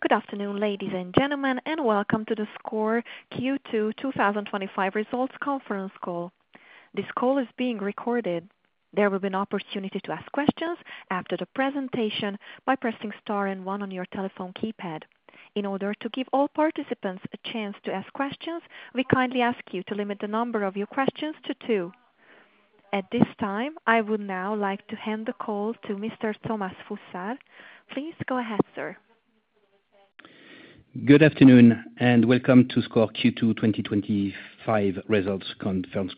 Good afternoon ladies and gentlemen and welcome to the SCOR Q2 2025 Results Conference Call. This call is being recorded. There will be an opportunity to ask questions after the presentation by pressing Star and one on your telephone keypad. In order to give all participants a chance to ask questions, we kindly ask you to limit the number of your questions to two at this time. I would now like to hand the call to Mr. Thomas Froissart. Please go ahead sir. Good afternoon and welcome to SCOR Q2 2025 results conference.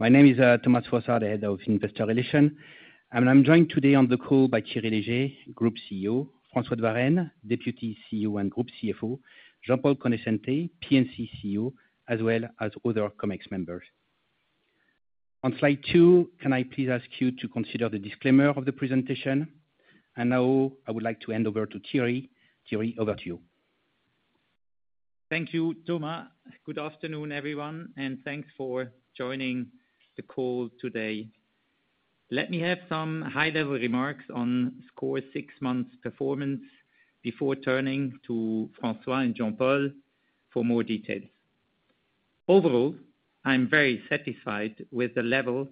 My name is Thomas Froissart, Head of Investor Relations, and I'm joined today on the call by Thierry Léger, Group CEO, François de Varenne, Deputy CEO and Group CFO, Jean-Paul Conoscente, P&C CEO, as well as other COMEX members on slide two. Can I please ask you to consider the disclaimer of the presentation? Now I would like to hand over to Thierry. Thierry, over to you. Thank you, Thomas. Good afternoon everyone and thanks for joining the call today. Let me have some high level remarks on SCOR six months performance before turning to François and Jean-Paul for more details. Overall, I'm very satisfied with the level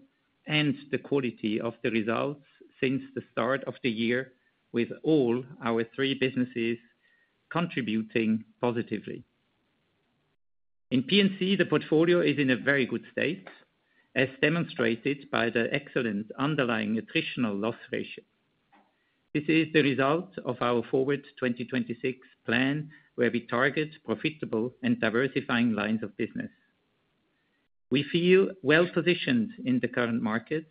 and the quality of the results since the start of the year. With all our three businesses contributing positively, in P&C, the portfolio is in a very good state as demonstrated by the excellent underlying attritional loss ratio. This is the result of our Forward 2026 plan where we target profitable and diversifying lines of business. We feel well positioned in the current market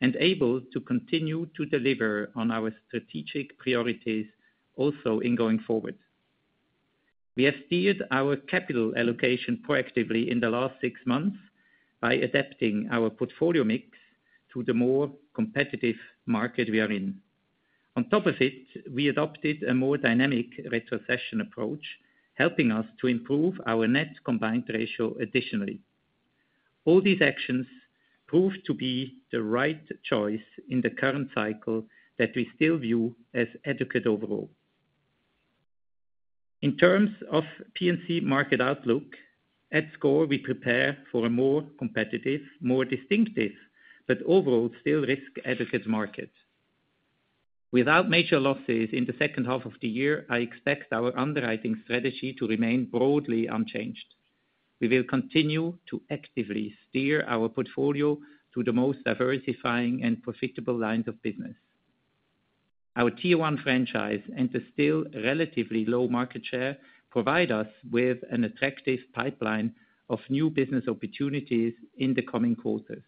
and able to continue to deliver on our strategic priorities. Also, going forward, we have steered our capital allocation proactively in the last six months by adapting our portfolio mix to the more competitive market we are in. On top of it, we adopted a more dynamic retrocession approach, helping us to improve our net combined ratio. Additionally, all these actions prove to be the right choice in the current cycle that we still view as adequate overall in terms of P&C market outlook. At SCOR, we prepare for a more competitive, more distinctive but overall still risk-adequate market. Without major losses in the second half of the year, I expect our underwriting strategy to remain broadly unchanged. We will continue to actively steer our portfolio to the most diversifying and profitable lines of business. Our Tier one franchise and the still relatively low market share provide us with an attractive pipeline of new business opportunities in the coming quarters.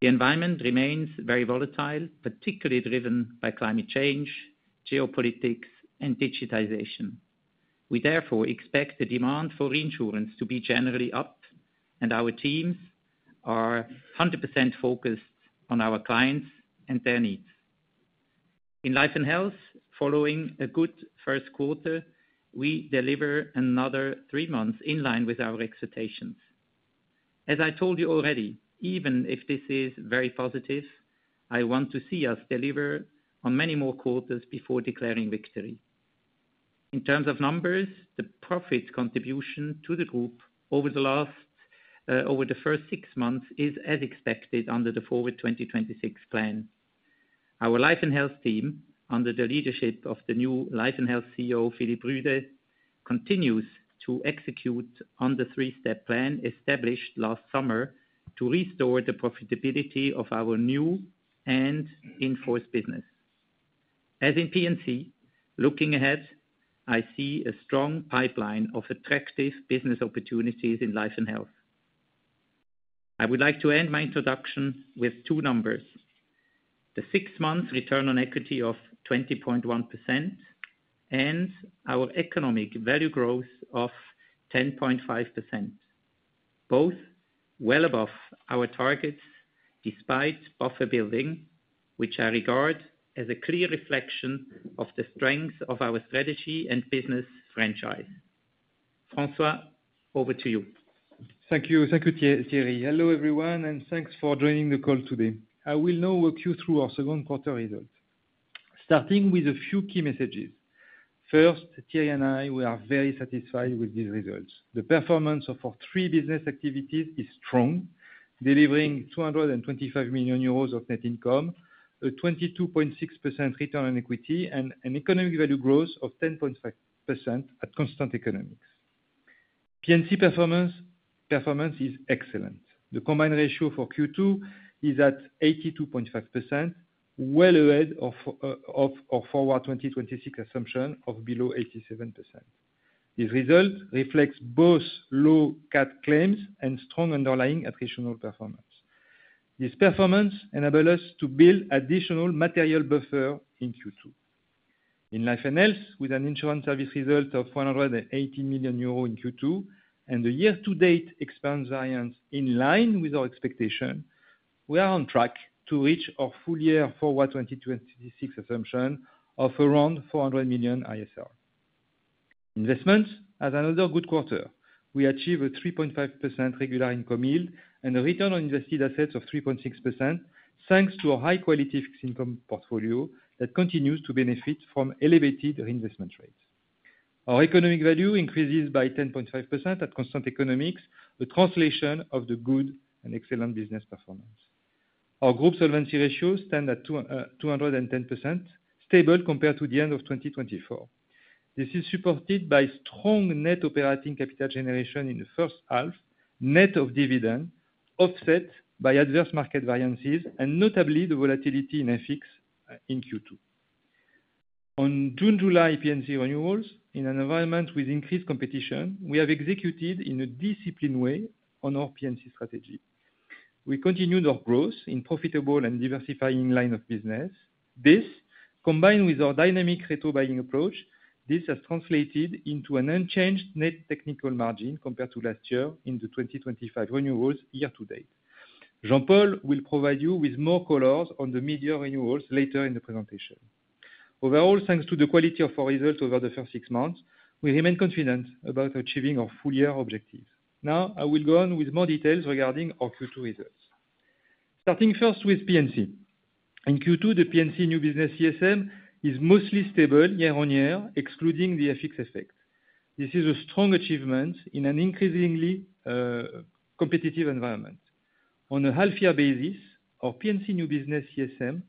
The environment remains very volatile, particularly driven by climate change, geopolitics, and digitization. We therefore expect the demand for reinsurance to be generally up, and our teams are 100% focused on our clients and their needs in Life and Health. Following a good first quarter, we deliver another three months in line with our expectations. As I told you already, even if this is very positive, I want to see us deliver on many more quarters before declaring victory. In terms of numbers, the profit contribution to the group over the first six months is as expected under the Forward 2026 plan. Our Life and Health team, under the leadership of the new Life and Health CEO Philipp Rüede, continues to execute on the three step plan established last summer to restore the profitability of our new and in force business. As in P&C, looking ahead, I see a strong pipeline of attractive business opportunities in Life and Health. I would like to end my introduction with two numbers. The six months return on equity of 20.1% and our economic value growth of 10.5%, both well above our targets despite buffer building, which I regard as a clear reflection of the strength of our strategy and business franchise. François, over to you. Thank you. Thank you, Thierry. Hello everyone and thanks for joining the call today. I will now walk you through our second quarter results starting with a few key messages. First, Thierry and I, we are very satisfied with these results. The performance of our three business activities is strong, delivering 225 million euros of net income, a 22.6% return on equity, and an economic value growth of 10.5% at constant economics. P&C performance is excellent. The combined ratio for Q2 is at 82.5%, well ahead of our Forward 2026 assumption of below 87%. This result reflects both low CAT claims and strong underlying attritional performance. This performance enables us to build additional material buffer in Q2 in Life and Health, with an insurance service result of 180 million euros in Q2 and the year-to-date expense variance. In line with our expectation, we are on track to reach our full-year Forward 2026 assumption of around 400 million ISR. Investments had another good quarter. We achieved a 3.5% regular income yield and a return on invested assets of 3.6%, thanks to a high-quality fixed income portfolio that continues to benefit from elevated reinvestment rates. Our economic value increases by 10.5% at constant economics, the translation of the good and excellent business performance. Our group solvency ratio stands at 210%, stable compared to the end of 2024. This is supported by strong net operating capital generation in the first half, net of dividend, offset by adverse market variances and notably the volatility in FX in Q2. On June, July, P&C renewals in an environment with increased competition, we have executed in a disciplined way on our P&C strategy. We continued our growth in profitable and diversifying line of business. This, combined with our dynamic retrocession buying approach, has translated into an unchanged net technical margin compared to last year in the 2025 renewals year to date. Jean-Paul will provide you with more colors on the media renewals later in the presentation. Overall, thanks to the quality of our results over the first six months, we remain confident about achieving our full-year objectives. Now I will go on with more details regarding our Q2 results, starting first with P&C. In Q2, the P&C new business CSM is mostly stable year on year excluding the FX effect. This is a strong achievement in an increasingly competitive environment. On a half year basis, our P&C new business CSM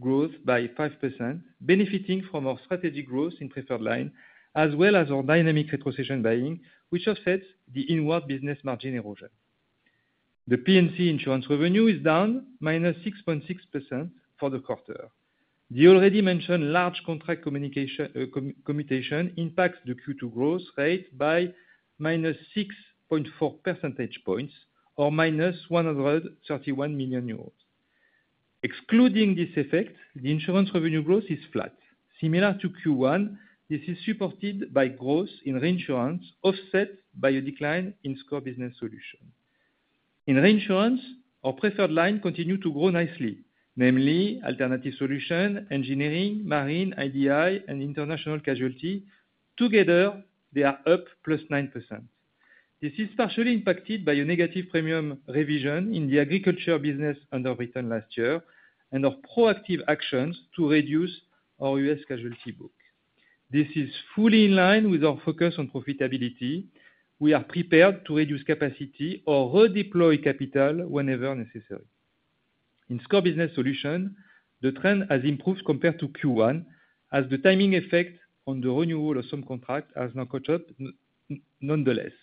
grew by 5% by benefiting from our strategic growth in preferred lines as well as our dynamic association buying, which offsets the inward business margin erosion. The P&C insurance revenue is down -6.6% for the quarter. The already mentioned large contract commutation impacts the Q2 growth rate by -6.4 percentage points or -$131 million. Excluding this effect, the insurance revenue growth is flat, similar to Q1. This is supported by growth in reinsurance, offset by a decline in SCOR Business Solutions. In reinsurance, our preferred lines continue to grow nicely, namely alternative solutions, engineering, marine, IDI, and international casualty. Together, they are up 9%. This is partially impacted by a negative premium revision in the agriculture business underwritten last year and our proactive actions to reduce our U.S. casualty book. This is fully in line with our focus on profitability. We are prepared to reduce capacity or redeploy capital whenever necessary. In SCOR Business Solutions, the trend has improved compared to Q1 as the timing effect on the renewal of some contracts has now caught up. Nonetheless,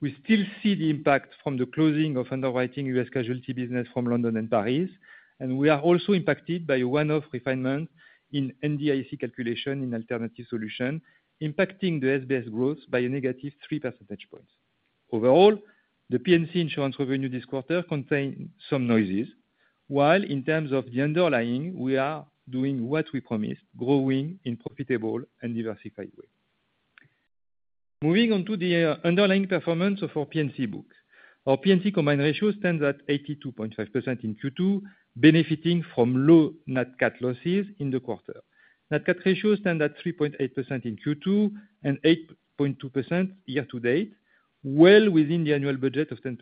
we still see the impact from the closing of underwriting U.S. casualty business from London and Paris, and we are also impacted by a one-off refinement in NDIC calculation in alternative solutions, impacting the SBS growth by a negative 3 percentage points. Overall, the P&C insurance revenue this quarter contains some noises, while in terms of the underlying, we are doing what we promised, growing in a profitable and diversified way. Moving on to the underlying performance of our P&C book, our P&C combined ratio stands at 82.5% in Q2, benefiting from low net CAT losses in the quarter. Nat CAT ratios stand at 3.8% in Q2 and 8.2% year to date, well within the annual budget of 10%.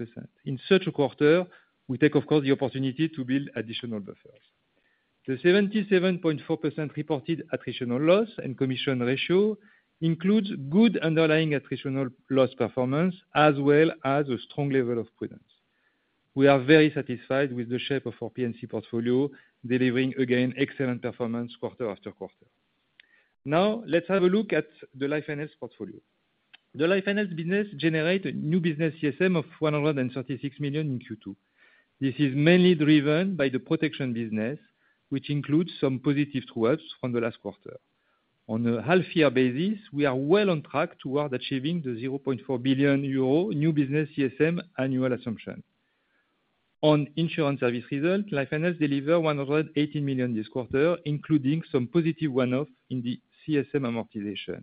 In such a quarter, we take, of course, the opportunity to build additional buffers. The 77.4% reported attritional loss and commission ratio includes good underlying attritional loss performance as well as a strong level of prudence. We are very satisfied with the shape of our P&C portfolio, delivering again excellent performance quarter after quarter. Now let's have a look at the Life & Health portfolio. The Life & Health business generated a new business CSM of $136 million in Q2. This is mainly driven by the protection business, which includes some positive trawls from the last quarter. On a half year basis, we are well on track toward achieving the 0.4 billion euro new business CSM annual assumption on insurance service results. Lifeinas delivered 118 million this quarter, including some positive one-off in the CSM amortization.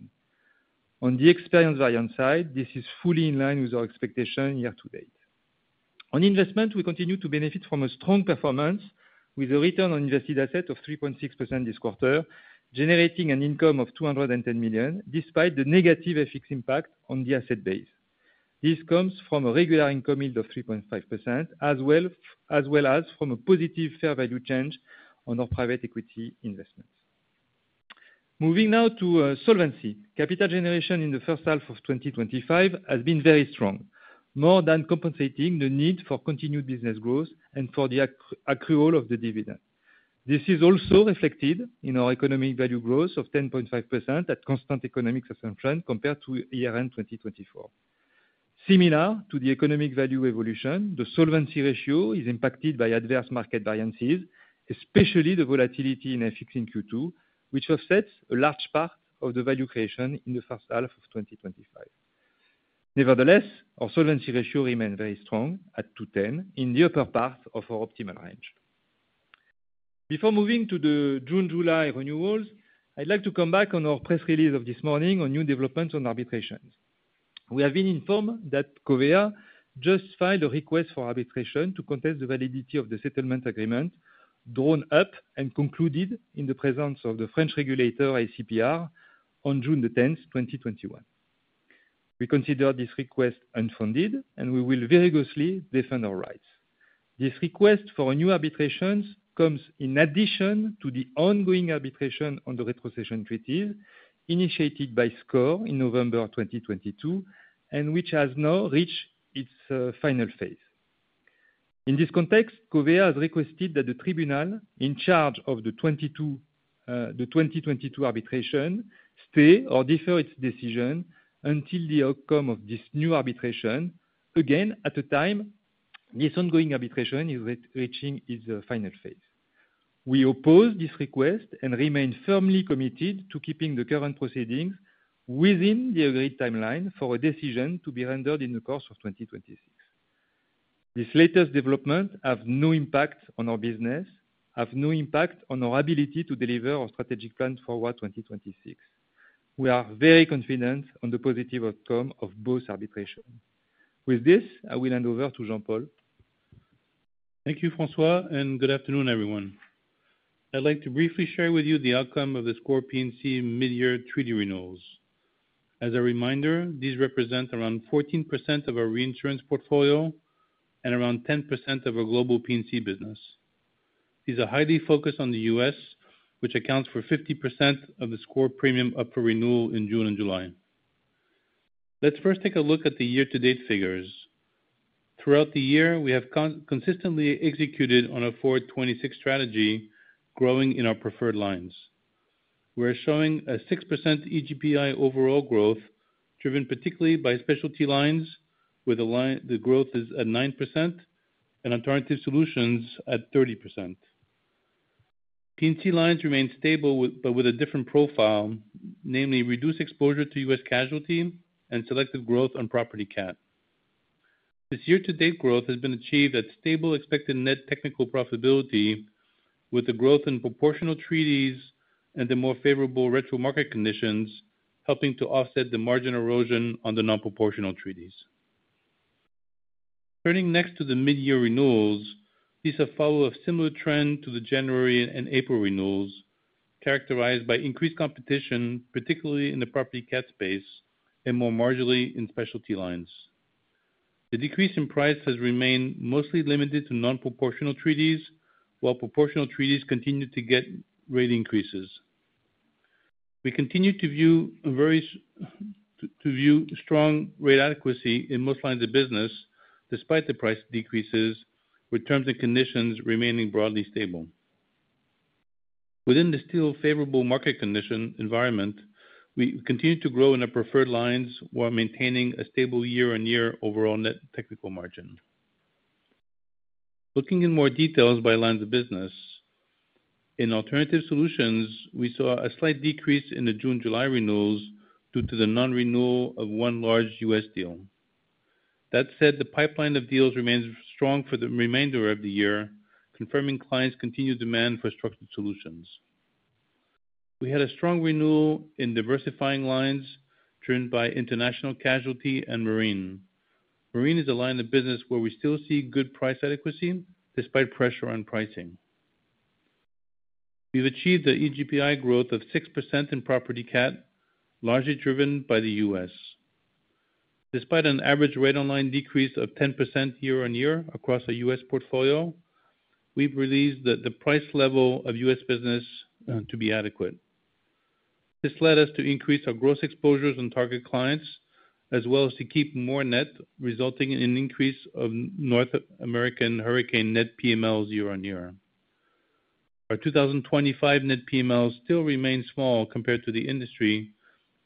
On the experience variance side, this is fully in line with our expectation year to date. On investment, we continue to benefit from a strong performance with a return on invested asset of 3.6% this quarter, generating an income of 210 million despite the negative FX impact on the asset base. This comes from a regular income yield of 3.5% as well as from a positive fair value change on our private equity investments. Moving now to solvency capital generation, in the first half of 2025, it has been very strong, more than compensating the need for continued business growth and for the accrual of the dividend. This is also reflected in our economic value growth of 10.5% at constant economic assumption compared to year end 2024. Similar to the economic value evolution, the solvency ratio is impacted by adverse market variances, especially the volatility in FX in Q2, which offsets a large part of the value creation in the first half of 2025. Nevertheless, our solvency ratio remained very strong at 210% in the upper part of our optimal range. Before moving to the June-July renewals, I'd like to come back on our press release of this morning on new developments on arbitration. We have been informed that Covéa just filed a request for arbitration to contest the validity of the settlement agreement drawn up and concluded in the presence of the French regulator ACPR on June 10, 2021. We consider this request unfounded and we will vigorously defend our rights. This request for new arbitration comes in addition to the ongoing arbitration on the retrocession treaties initiated by SCOR in November 2022 and which has now reached its final phase. In this context, Covéa has requested that the tribunal in charge of the 2022 arbitration stay or defer its decision until the outcome of this new arbitration. At a time this ongoing arbitration is reaching its final phase, we oppose this request and remain firmly committed to keeping the current proceedings within the agreed timeline for a decision to be rendered in the course of 2026. This latest development has no impact on our business, has no impact on our ability to deliver our strategic plan Forward 2026. We are very confident on the positive outcome of both arbitration. With this, I will hand over to Jean-Paul. Thank you François, and good afternoon everyone. I'd like to briefly share with you the outcome of the SCOR P&C mid-year treaty renewals. As a reminder, these represent around 14% of our reinsurance portfolio and around 10% of our global P&C business. These are highly focused on the U.S., which accounts for 50% of the SCOR premium up for renewal in June and July. Let's first take a look at the year-to-date figures. Throughout the year, we have consistently executed on a 426 strategy, growing in our preferred lines. We are showing a 6% EGPI overall growth, driven particularly by specialty lines where the growth is at 9% and alternative solutions at 30%. P&C lines remain stable but with a different profile, namely reduced exposure to U.S. casualty and selective growth on property cat. This year-to-date growth has been achieved at stable expected net technical profitability, with the growth in proportional treaties and the more favorable retro market conditions helping to offset the margin erosion on the non-proportional treaties. Turning next to the mid-year renewals, these have followed a similar trend to the January and April renewals, characterized by increased competition, particularly in the property cat space and more marginally in specialty lines. The decrease in price has remained mostly limited to non-proportional treaties, while proportional treaties continue to get rate increases. We continue to view strong rate adequacy in most lines of business despite the price decreases, with terms and conditions remaining broadly stable within the still favorable market condition environment. We continue to grow in our preferred lines while maintaining a stable year-on-year overall net technical margin. Looking in more detail by lines of business, in alternative solutions, we saw a slight decrease in the June-July renewals due to the nonrenewal of one large U.S. deal. That said, the pipeline of deals remains strong for the remainder of the year, confirming clients' continued demand for structured solutions. We had a strong renewal in diversifying lines driven by International Casualty and Marine. Marine is a line of business where we still see good price adequacy despite pressure on pricing. We've achieved an EGPI growth of 6% in property cat, largely driven by the U.S. Despite an average rate online decrease of 10% year-on-year across the U.S. portfolio, we've released the price level of U.S. business to be adequate. This led us to increase our gross exposures on target clients as well as to keep more net, resulting in an increase of North American Hurricane net PMLs year on year. Our 2025 net PMLs still remain small compared to the industry,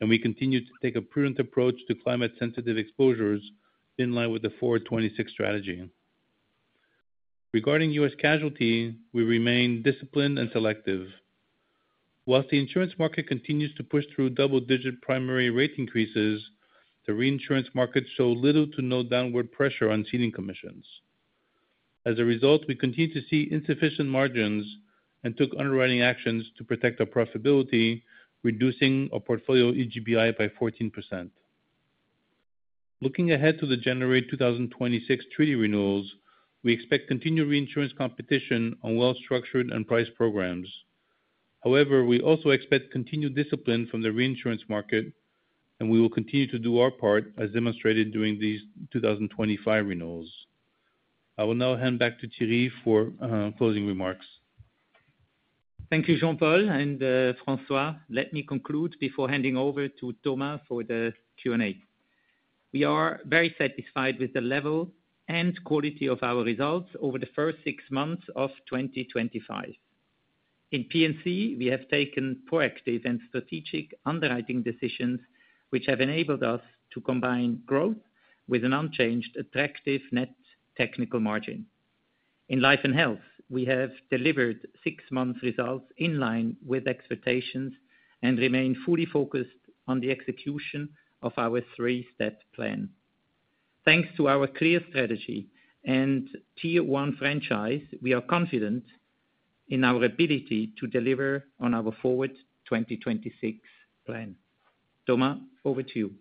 and we continue to take a prudent approach to climate-sensitive exposures in line with the Forward 2026 strategy. Regarding U.S. casualty, we remain disciplined and selective. Whilst the insurance market continues to push through double-digit primary rate increases, the reinsurance market shows little to no downward pressure on ceding commissions. As a result, we continue to see insufficient margins and took underwriting actions to protect our profitability, reducing our portfolio EGPI by 14%. Looking ahead to the January 2026 treaty renewals, we expect continued reinsurance competition on well-structured and priced programs. However, we also expect continued discipline from the reinsurance market, and we will continue to do our part as demonstrated during these 2025 renewals. I will now hand back to Thierry for closing remarks. Thank you Jean-Paul and François. Let me conclude before handing over to Thomas. We are very satisfied with the level and quality of our results over the first six months of 2025. In P&C we have taken proactive and strategic underwriting decisions, which have enabled us to combine growth with an unchanged attractive net technical margin. In Life and Health, we have delivered six months results in line with expectations and remain fully focused on the execution of our three-step plan. Thanks to our clear strategy and tier one franchise, we are confident in our ability to deliver on our Forward 2026 plan. Thomas, over to you.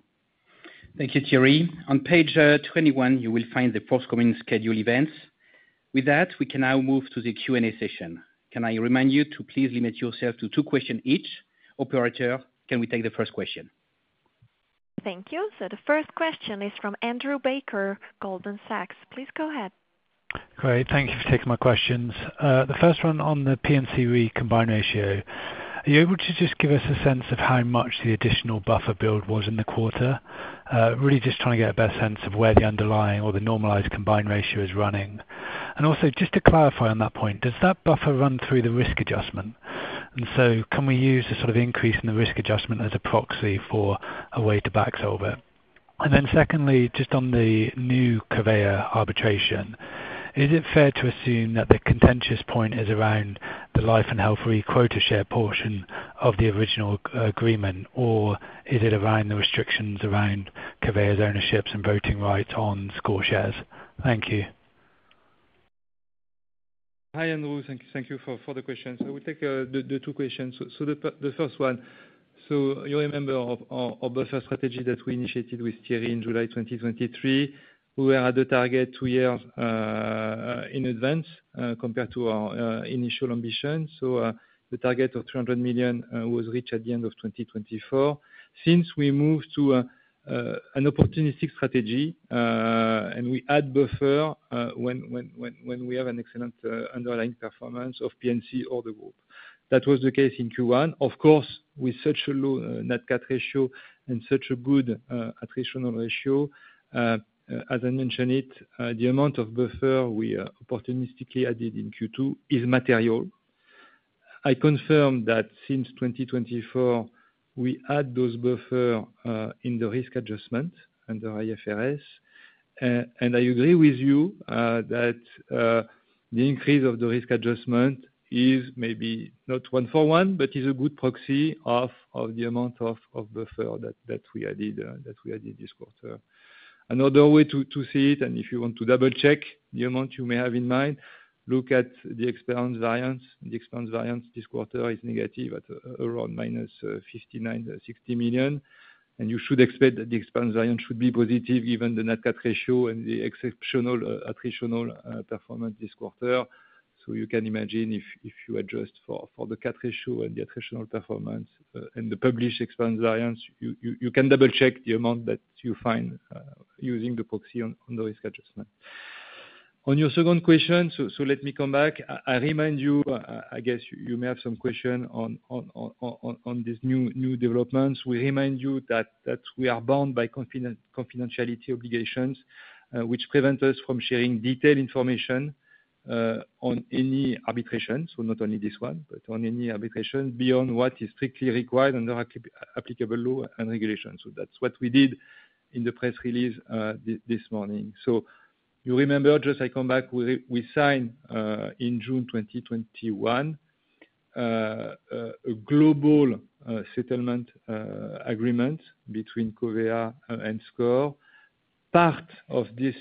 Thank you Thierry. On page 21 you will find the forthcoming scheduled events. With that, we can now move to the Q&A session. Can I remind you to please limit yourself to two questions each, operator? Can we take the first question? Thank you. The first question is from Andrew Baker, Goldman Sachs. Please go ahead. Great. Thank you for taking my questions. The first one on the P&C recombine ratio, are you able to just give us a sense of how much the additional buffer build was in the quarter. Really just trying to get a better sense of where the underlying or the normalized combined ratio is running, and also just to clarify on that point, does that buffer run through the risk adjustment? Can we use the sort of increase in the risk adjustment as a proxy for a way to backsolve it? Secondly, just on the new Covéa arbitration, is it fair to assume. The contentious point is around the Life & Health free quota share portion. Of the original agreement? Is it around the restrictions around conveyance, ownerships, and voting rights on SCOR shares? Thank you. Hi Andrew, thank you for the questions. I will take the two questions. The first one, you remember our buffer strategy that we initiated with Thierry in July 2023. We were at the target two years in advance compared to our initial ambition. The target of $300 million was reached at the end of 2024. Since, we moved to an opportunistic strategy and we add buffer when we have an excellent underlying performance of P&C or the group. That was the case in Q1. Of course, with such a low netcat ratio and such a good attritional ratio, as I mentioned, the amount of buffer we opportunistically added in Q2 is material. I confirm that since 2024 we add those buffers in the risk adjustment under IFRS. I agree with you that the increase of the risk adjustment is maybe not one for one, but is a good proxy of the amount of buffer that we added this quarter. Another way to see it, if you want to double check the amount you may have in mind, look at the expense variance. The expense variance this quarter is negative at around -$59.60 million and you should expect that the expense variance should be positive given the netcat ratio and the exceptional performance this quarter. You can imagine if you adjust for the CAT ratio and the attritional performance and the published expense variance, you can double check the amount that you find using the proxy on the risk adjustment. On your second question, let me come back. I remind you, I guess you may have some question on these new developments. We remind you that we are bound by confidentiality obligations which prevent us from sharing detailed information on any arbitration, not only this one, but on any arbitration beyond what is strictly required under applicable law and regulations. That is what we did in the press release this morning. You remember, I come back, we signed in June 2021 a global settlement agreement between Covéa and SCOR. Part of this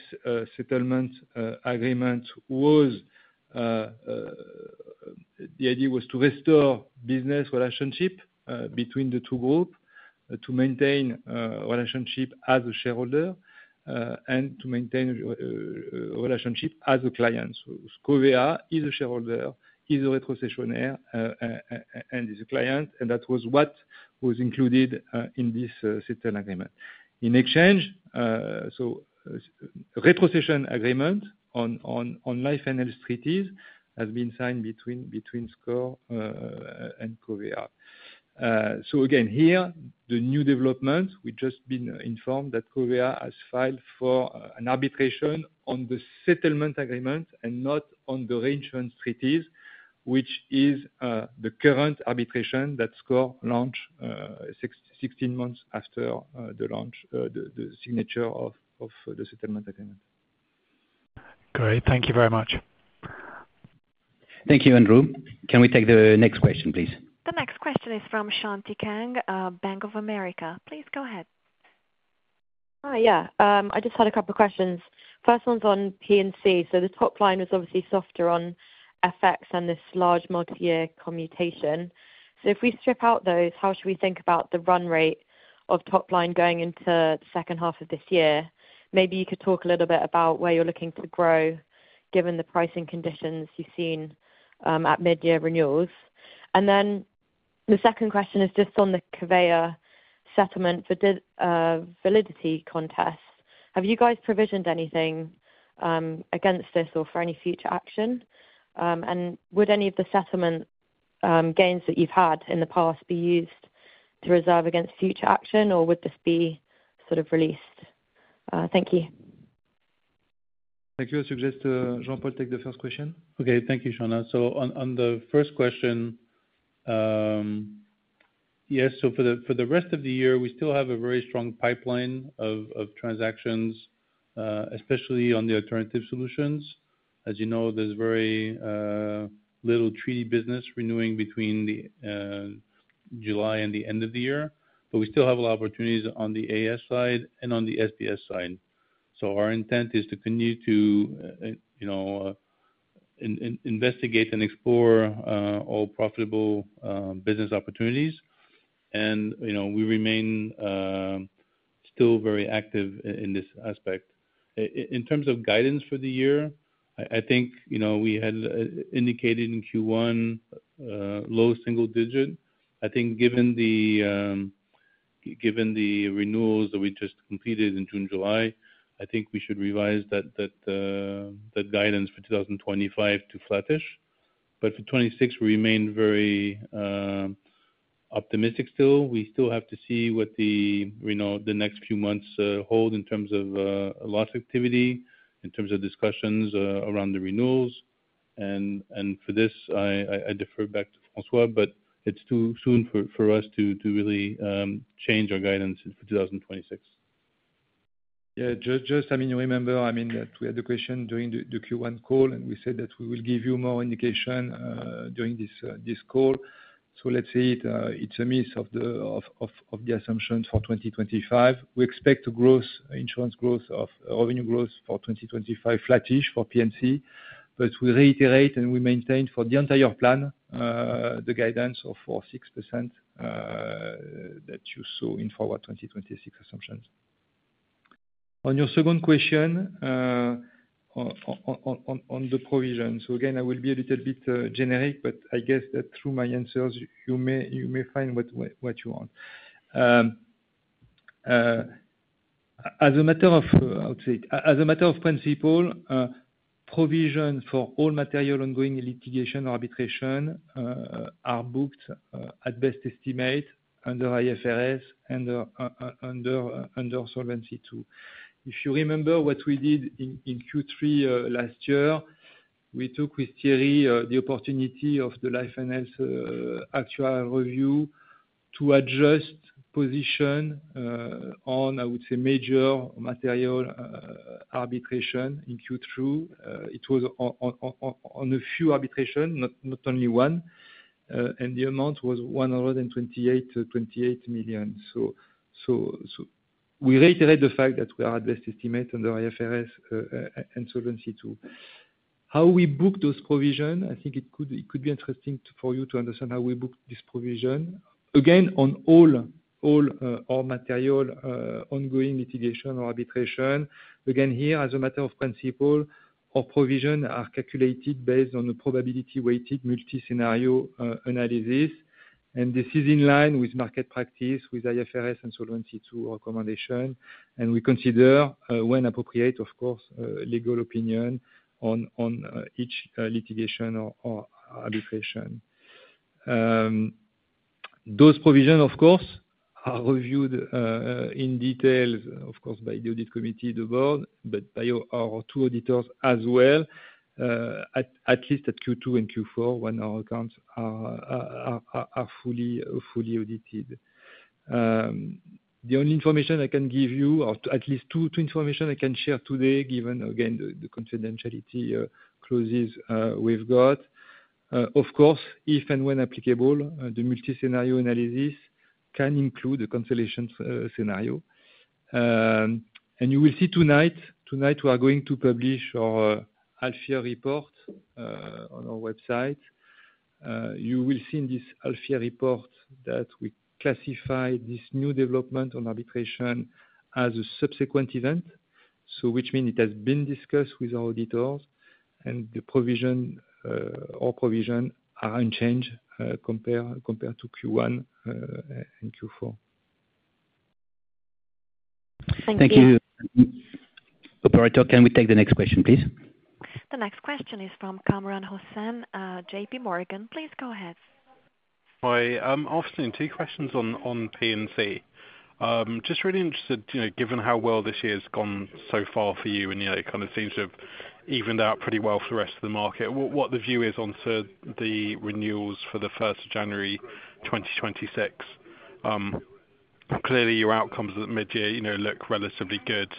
settlement agreement was. The idea was to restore the business relationship between the two groups to maintain the relationship as a shareholder and to maintain the relationship as a client. Covéa is a shareholder, is a retrocessionaire, and is a client, and that was what was included in this settlement agreement in exchange. A retrocession agreement on Life and Treaties has been signed between SCOR and Covéa. Here, the new development is that we've just been informed that Covéa has filed for an arbitration on the settlement agreement and not on the reinsurance treaties, which is the current arbitration that SCOR launched 16 months after the signature of the settlement agreement. Great, thank you very much. Thank you, Andrew. Can we take the next question, please? The next question is from Shanti Kang, Bank of America. Please, go ahead. Hi. Yeah, I just had a couple of questions. First one's on P&C. The top line was obviously softer on FX and this large multi-year commutation. If we strip out those, how should we think about the run rate of top line going into the second half of this year? Maybe you could talk a little bit about where you're looking to grow given the pricing conditions you've seen at mid-year renewals. The second question is just on the Covéa settlement validity contest. Have you guys provisioned anything against this or for any future action? Would any of the settlement gains that you've had in the past be used to reserve against future action or would this be sort of released? Thank you. Thank you. I suggest Jean-Paul, take the first question. Okay, thank you so much. On the first question, yes, for the rest of the year we still have a very strong pipeline of transactions, especially on the alternative solutions. As you know, there's very little treaty business renewing between July and the end of the year. We still have a lot of opportunities on the alternative solutions side and on the specialty business solutions side. Our intent is to continue to investigate and explore all profitable business opportunities. We remain still very active in this aspect. In terms of guidance for the year, I think we had indicated in Q1, low single digit. Given the renewals that we just completed in June and July, I think we should revise that guidance for 2025 to flattish. For 2026 we remain very optimistic. We still have to see what the next few months hold in terms of loss activity and in terms of discussions around the renewals. For this I defer back to François, but it's too soon for us to really change our guidance for 2026. Yeah, just remember that we had the question during the Q1 call and we said that we will give you more indication during this call. Let's say it's a miss of the assumptions for 2025. We expect insurance growth of revenue growth for 2025, flattish for P&C, but we reiterate and we maintain for the entire plan the guidance of 4.6% that you saw in Forward 2026 assumptions. On your second question on the provision, I will be a little bit generic, but I guess that through my answers you may find what you want. As a matter of principle, provisions for all material ongoing litigation or arbitration are booked at best estimate under IFRS and under Solvency II. If you remember what we did in Q3 last year, we took with Thierry the opportunity of the Life & Health actual review to adjust position on, I would say, major material arbitration. In Q2 it was on a few arbitration, not only one, and the amount was $128.28 million. We reiterate the fact that we are at best estimate under IFRS and Solvency II in how we book those provisions. I think it could be interesting for you to understand how we book this provision again on all our material ongoing litigation or arbitration. Here, as a matter of principle, our provisions are calculated based on the probability-weighted multi-scenario analysis. This is in line with market practice with IFRS and Solvency II recommendation. We consider, when appropriate, of course, legal opinion on each litigation or arbitration. Those provisions are reviewed in detail by the Audit Committee, the Board, and by our two auditors as well, at least at Q2 and Q4 when our accounts are fully audited. The only information I can give you, or at least two pieces of information I can share today, given again the confidentiality clauses we've got, is if and when applicable, the multi-scenario analysis can include the cancellation scenario. You will see tonight, we are going to publish our ALFEA report on our website. You will see in this ALFEA report that we classify this new development on arbitration as a subsequent event, which means it has been discussed with our auditors and the provision, our provision, is unchanged compared to Q1. Thank you, operator. Can we take the next question, please? The next question is from Kamran Hossain, JP Morgan. Please go ahead. Hi afternoon Two questions on P&C. Just really interested given how well this year has gone so far for you and it kind of seems to have evened out pretty well for the rest of the market. What the view is on the renewals for 1st January 2026? Clearly your outcomes mid year look relatively good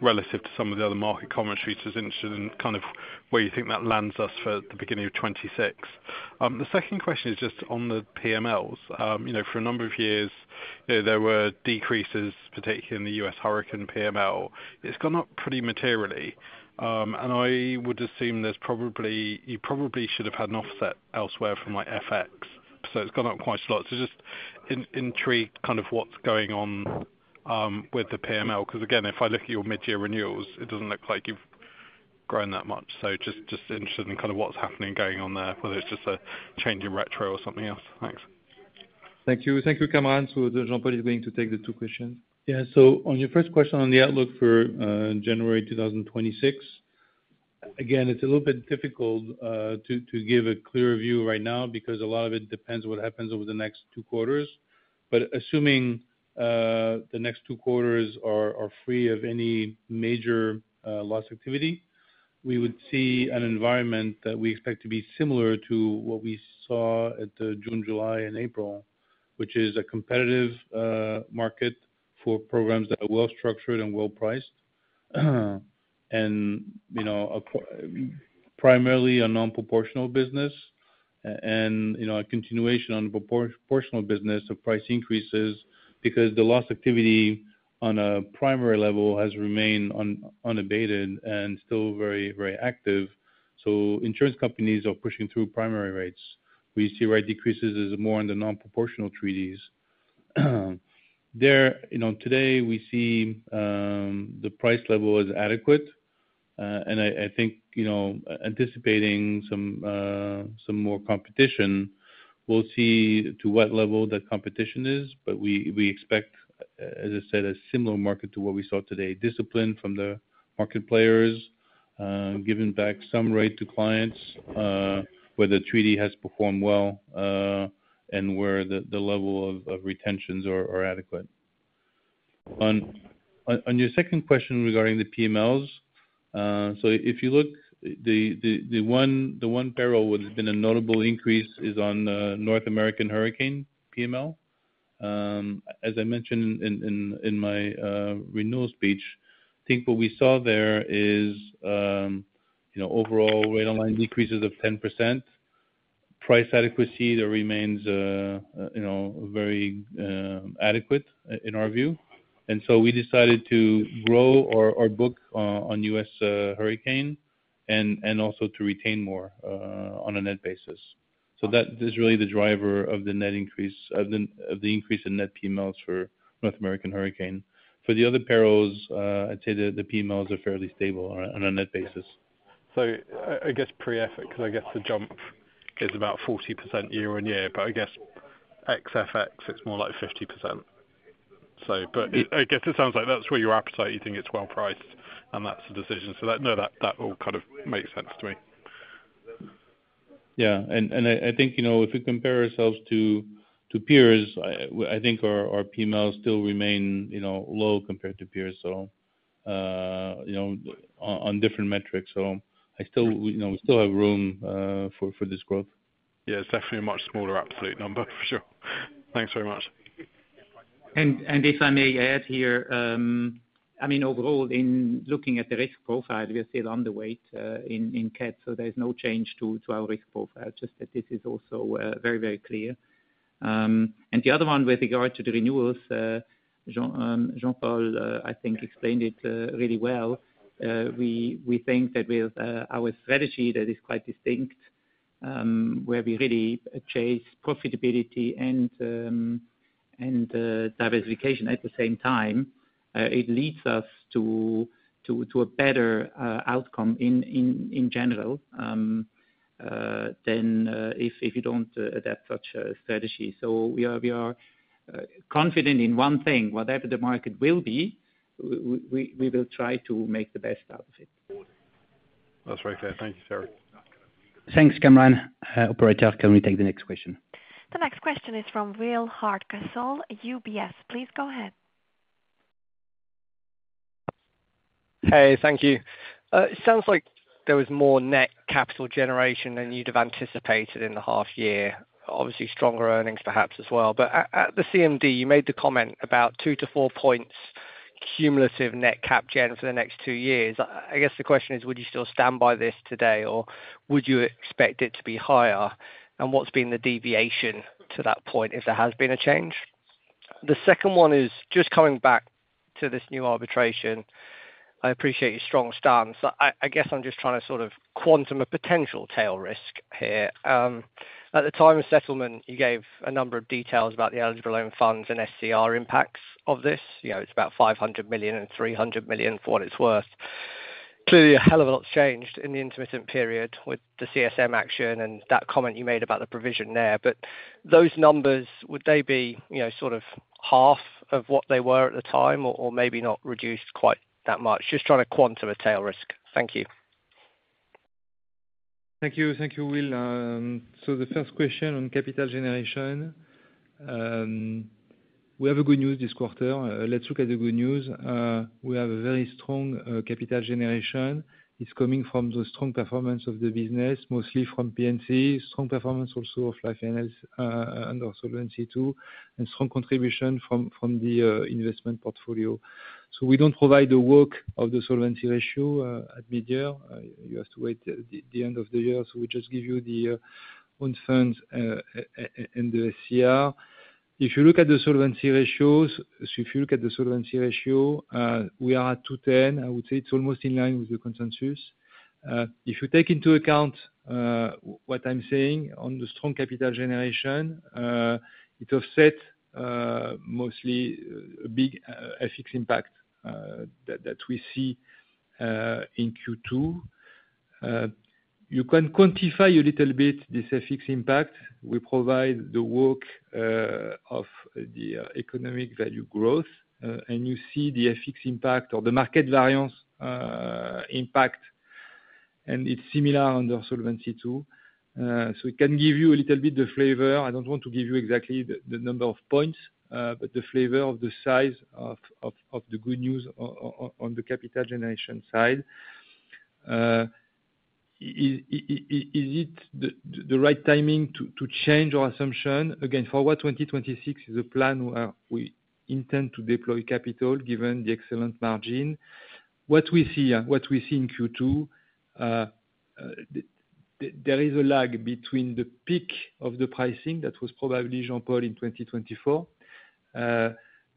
relative to some of the other market commentary, so interest in kind of where you think that lands us for the beginning of 2026. The second question is just on the PMLs. You know for a number of years there were decreases, particularly in the U.S. hurricane PML. It's gone up pretty materially, and I would assume you probably should have had an offset elsewhere from something like FX. It's gone up quite a lot. Just intrigued what's going on with the PML because again, if I look at your mid year renewals, it doesn't look like you've grown that much. Just interested in what's happening there, whether it's just a change in retrocession strategies or something else. Thanks. Thank you. Thank you, Kamran. Jean-Paul is going to take the two questions. Yeah. On your first question on the outlook for January 2026, again it's a little bit difficult to give a clear view right now because a lot of it depends on what happens over the next two quarters. Assuming the next two quarters are free of any major loss activity, we would see an environment that we expect to be similar to what we saw at June, July, and April, which is a competitive market for programs that are well structured and well priced and primarily a non-proportional business, and a continuation on proportional business of price increases because the loss activity on a primary level has remained unabated and still very, very active. Insurance companies are pushing through primary rates. We see rate decreases more on the non-proportional treaties there today. We see the price level as adequate, and I think anticipating some more competition, we'll see to what level the competition is. We expect, as I said, a similar market to what we see today. Discipline from the market players, giving back some rate to clients where the treaty has performed well and where the level of retentions are adequate. On your second question regarding the PMLs, if you look, the one peril where there's been a notable increase is on the North American hurricane PML. As I mentioned in my renewal speech, what we saw there is overall rate of line decreases of 10%. Price adequacy remains very adequate in our view, and we decided to grow our book on U.S. hurricane and also to retain more on a net basis. That is really the driver of the increase in net PMLs for North American hurricane. For the other perils, I'd say that the PMLs are fairly stable on a net basis. I guess pre-FX, I guess. The jump is about 40% year on. Year, but I guess FX, it's more like 50%, but I guess it sounds like that's where your appetite, you think it's well priced, and that's the decision. That all kind of makes sense to me. Yeah. I think, you know, if we compare ourselves to peers, I think our PMLs still remain low compared to peers, you know, on different metrics. I still, you know, we still have room for this growth. Yeah, it's definitely a much smaller absolute number, for sure. Thanks very much. If I may add here, overall, in looking at the risk profile, we are still underweight in cat, so there's no change to our risk profile. This is also very, very clear. The other one with regard to the renewals, Jean-Paul explained it really well. We think that with our strategy that is quite distinct, where we really chase profitability and diversification at the same time, it leads us to a better outcome in general than if you don't adapt such strategies. We are confident in one thing. Whatever the market will be, we will try to make the best out of it. That's right there. Thank you, Sir. Thanks, Kamran. Have a great afternoon. Can we take the next question? The next question is from Will Hardcastle, UBS. Please go ahead. Thank you.It sounds like there was more net capital generation than you'd have anticipated in the half year. Obviously, stronger earnings perhaps as well. At the CMD, you made the comment about 2%-4% cumulative net cap gen for the next two years. I guess the question is, would you still stand by this today or would you expect it to be higher? What's been the deviation to that point if there has been a change? The second one is just coming back to this new arbitration. I appreciate your strong stance. I guess I'm just trying to quantify a potential tail risk here. At the time of settlement, you gave a number of details about the eligible loan funds and SCR impacts of this. It's about 500 million and 300 million for what it's worth. Clearly, a hell of a lot changed in the intermittent period with the CSM action and that comment you made about the provision there. Those numbers, would they be, you know, sort of half of what they were at the time or maybe not reduced quite that much? Just trying to quantify tail risk. Thank you. Thank you. Thank you, Will. The first question on capital generation, we have good news this quarter. Let's look at the good news. We have very strong capital generation. It's coming from the strong performance of the business, mostly from P&C. Strong performance also of Life and our Solvency II, and some contribution from the investment portfolio. We don't provide the work of the solvency ratio; you have to wait until the end of the year. We just give you the own funds and the CR. If you look at the solvency ratios, if you look at the solvency ratio, we are at 210. I would say it's almost in line with the consensus if you take into account what I'm saying on the strong capital generation. It offsets mostly a big FX impact that we see in Q2. You can quantify a little bit this FX impact. We provide the work of the economic value growth and you see the FX impact or the market variance impact, and it's similar under Solvency II. It can give you a little bit the flavor. I don't want to give you exactly the number of points, but the flavor of the size of the good news on the capital generation side. Is it the right timing to change our assumption again? Forward 2026 is a plan where we intend to deploy capital. Given the excellent margin, what we see in Q2, there is a lag between the peak of the pricing. That was probably Jean-Paul in 2024,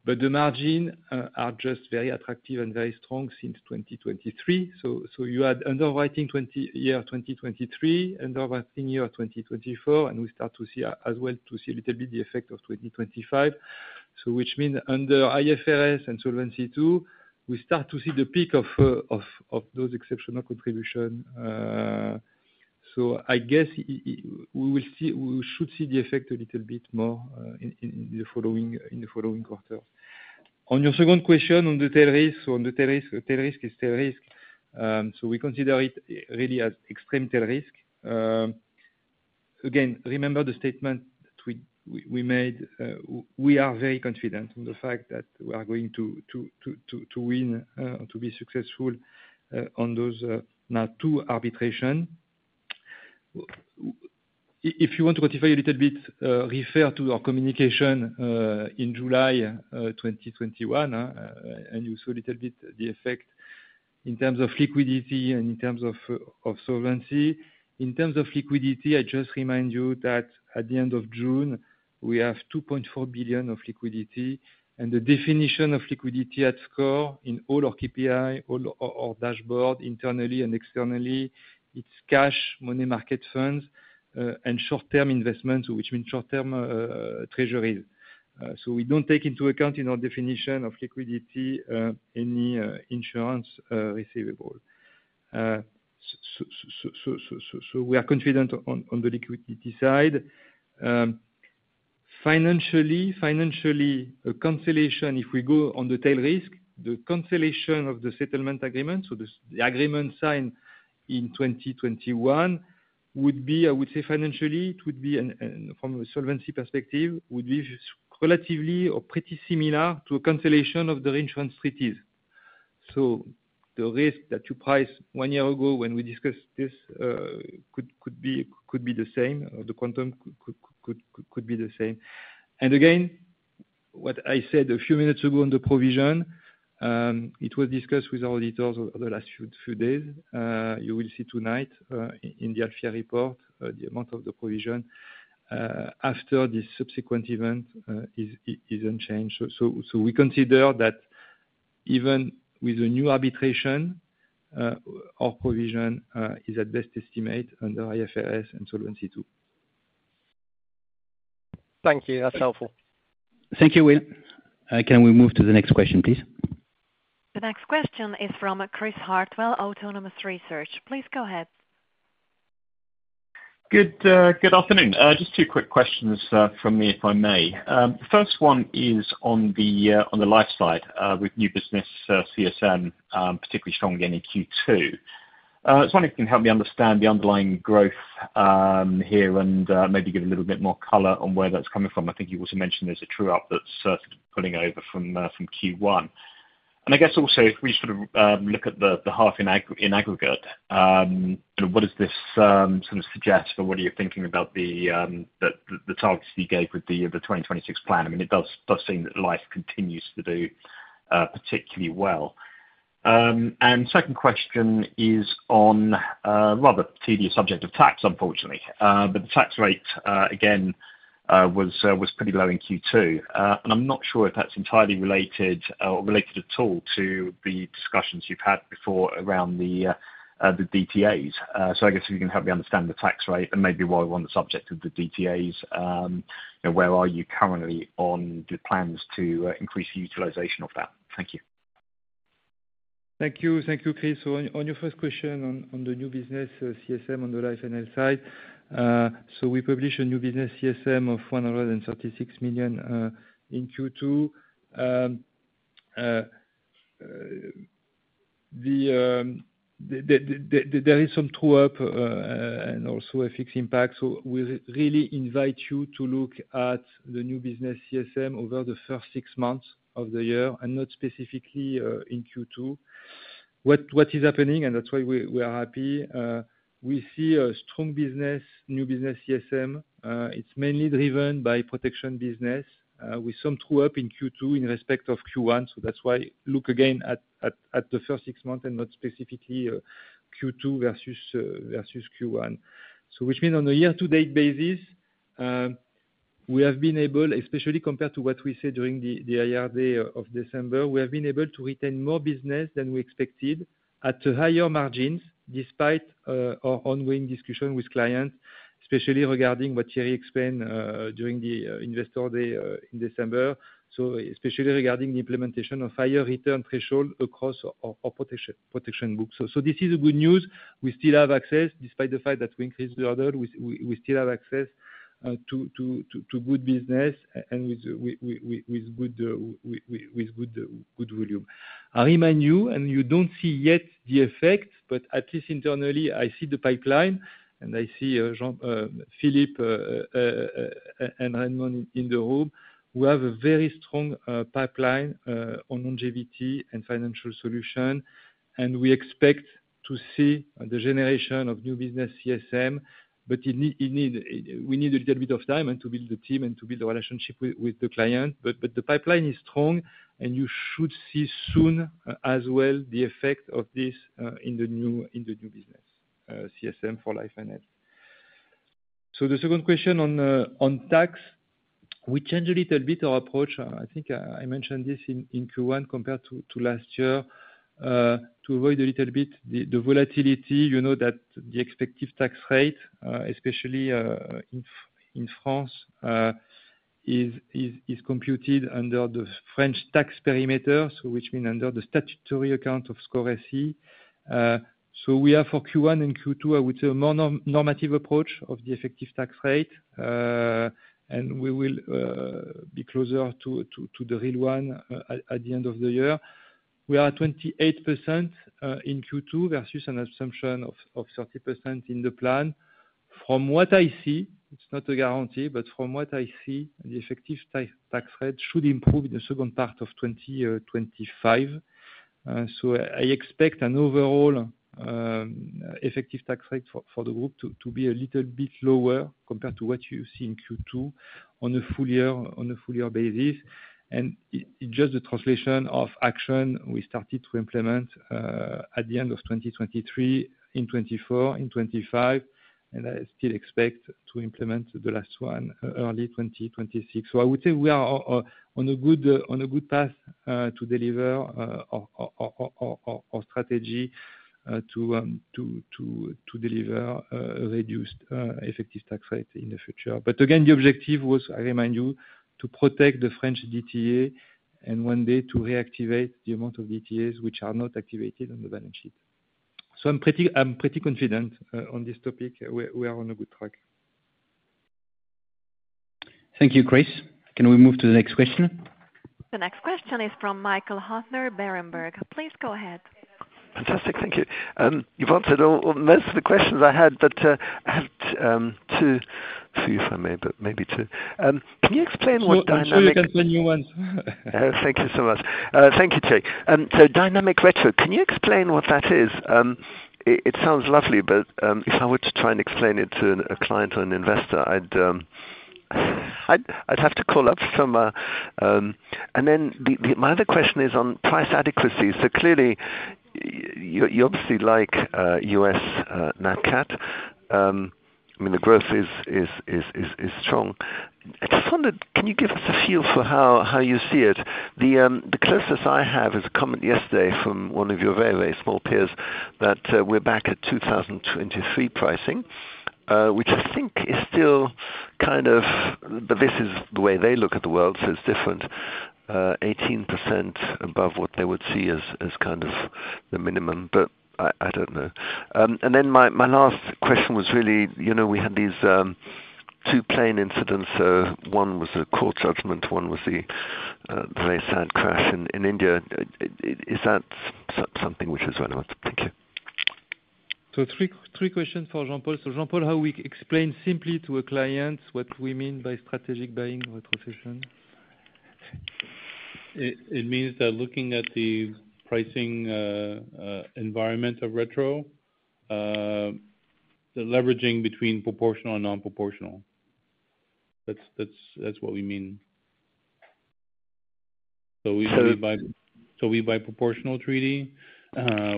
but the margins are just very attractive and very strong since 2023. You had underwriting year 2023, underwriting year 2024, and we start to see as well a little bit the effect of 2025. This means under IFRS and Solvency II we start to see the peak of those exceptional contributions. I guess we should see the effect a little bit more in the following quarters. On your second question on the terrorists, on the tail risk, it's terrorist. We consider it really as extreme tail risk. Remember the statement we made. We are very confident in the fact that we are going to win, to be successful on those NAT2 arbitration. If you want to ratify a little bit, refer to our communication in July 2021 and you saw a little bit the effect in terms of liquidity and in terms of solvency. In terms of liquidity, I just remind you that at the end of June we have $2.4 billion of liquidity, and the definition of liquidity at SCOR in all our KPI or dashboard, internally and externally, it's cash, money market funds, and short-term investments, which means short-term treasury. We don't take into account in our definition of liquidity any insurance receivable. We are confident on the liquidity side financially. Financially, a cancellation, if we go on the tail risk, the cancellation of the settlement agreement, the agreement signed in 2021, would be, I would say, financially from a solvency perspective, relatively or pretty similar to a cancellation of the reinsurance treaties. The risk that you price one year ago when we discussed this could be the same, the quantum could be the same. What I said a few minutes ago on the provision, it was discussed with auditors over the last few days. You will see tonight in the ALFIA report the amount of the provision after this subsequent event is unchanged. We consider that even with a new arbitration, our provision is at best estimate under IFRS and Solvency II. Thank you, that's helpful. Thank you, Will. Can we move to the next question please? The next question is from Chris Hartwell, Autonomous Research. Please go ahead. Good afternoon. Just two quick questions from me if I may. The first one is on the life side with new business CSM particularly strong again in Q2. I just wonder if you can help me understand the underlying growth here. Maybe give a little bit more color. On where that's coming from. I think you also mentioned there's a true up that's pulling over from Q1. If we sort of look at the half in aggregate, what does this suggest for what are you thinking about the targets you gave with the 2026 plan? It does seem that life continues to do particularly well. The second question is on the rather tedious subject of tax, unfortunately. The tax rate again was pretty low in Q2 and I'm not sure if that's entirely related or related at all to the discussions you've had before around the DTA's. If you can help me understand the tax rate and maybe why we're on the subject of the DTA's, where are you currently on the plans to increase utilization of that? Thank you. Thank you. Thank you. Chris, on your first question on the new business CSM on the Life and Health side. We published a new business CSM of 136 million in Q2. There is some true-up and also a FX impact. We really invite you to look at the new business CSM over the first six months of the year and not specifically in Q2. That is why we are happy; we see a strong business. New business CSM is mainly driven by protection business with some true-up in Q2 in respect of Q1. Look again at the first six months and not specifically Q2 versus Q1. On a year-to-date basis, we have been able, especially compared to what we said during the IR Day of December, to retain more business than we expected at higher margins, despite our ongoing discussion with clients, especially regarding what Thierry Léger explained during the Investor Day in December. This is especially regarding the implementation of higher return threshold across our protection book. This is good news. We still have access, despite the fact that we increased the order. We still have access to good business and with good volume. I remain new and you do not see yet the effect, but at least internally I see the pipeline and I see Philippe and Raymond in the room who have a very strong pipeline on longevity and financial solutions. We expect to see the generation of new business CSM, but we need a little bit of time to build the team and to build the relationship with the client. The pipeline is strong and you should see soon as well the effect of this in the new business CSM for Life. On the second question on tax, we changed a little bit our approach. I think I mentioned this in Q1 compared to last year, to avoid a little bit the volatility. You know that the expected tax rate, especially in France, is computed under the French tax perimeter, which means under the statutory account of SCOR SE. For Q1 and Q2, I would say we have a more normative approach of the effective tax rate and we will be closer to the real one at the end of the year. We are 28% in Q2 versus an assumption of 30% in the plan. From what I see, it is not a guarantee, but from what I see, the effective tax rate should improve in the second part of 2025. I expect an overall effective tax rate for the group to be a little bit lower compared to what you see in Q2 on a full-year basis. And The translation of action we started to implement at the end of 2023, in 2024, in 2025, and I still expect to implement the last one early 2026. I would say we are on a good path to deliver our strategy to deliver reduced effective tax rate in the future. Again, the objective was, I remind you, to protect the French DTA and one day to reactivate the amount of DTAs which are not activated on the balance sheet. I'm pretty confident on this topic. We are on a good track. Thank you, Chris. Can we move to the next question? The next question is from Michael Huttner, Berenberg. Please go ahead. Fantastic. Thank you. You've answered almost all of the questions I had, but I have a few. If I may, can you explain what dynamic. Thank you so much. Thank you, Jay. Dynamic retro, can you explain what that is? It sounds lovely. If I were to try and explain it to a client or an investor, I'd have to call up some. My other question is on price adequacy. Clearly you obviously like U.S. Nat CAT The growth is strong. I just wondered, can you give us a feel for how you see it? The closest I have is a comment Yesterday from one of your very, very. Small peers say that we're back at 2023 pricing, which I think is still kind of, this is the way they look at the world. It's different, 18% above what they would see as kind of minimum. I don't know. My last question was really, you know, we had these two plane incidents. One was the court judgment, one was The very sad crash in India. Is that something which is relevant? Thank you. Three questions for Jean-Paul. Jean-Paul, how do we explain simply to a client what we mean by strategic buying retrocession? It means that looking at the pricing environment of retro, the leveraging between proportional and non-proportional, that's what we mean. We buy proportional treaty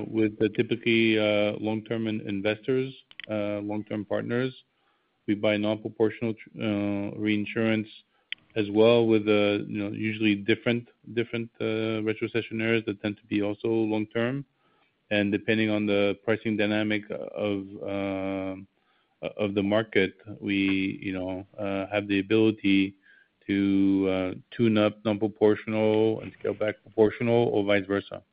with typically long-term investors, long-term partners. We buy non-proportional reinsurance as well with usually different retrocessionnaires that tend to be also long-term. Depending on the pricing dynamic of the market, we have the ability to tune up non-proportional and scale back proportional or vice versa.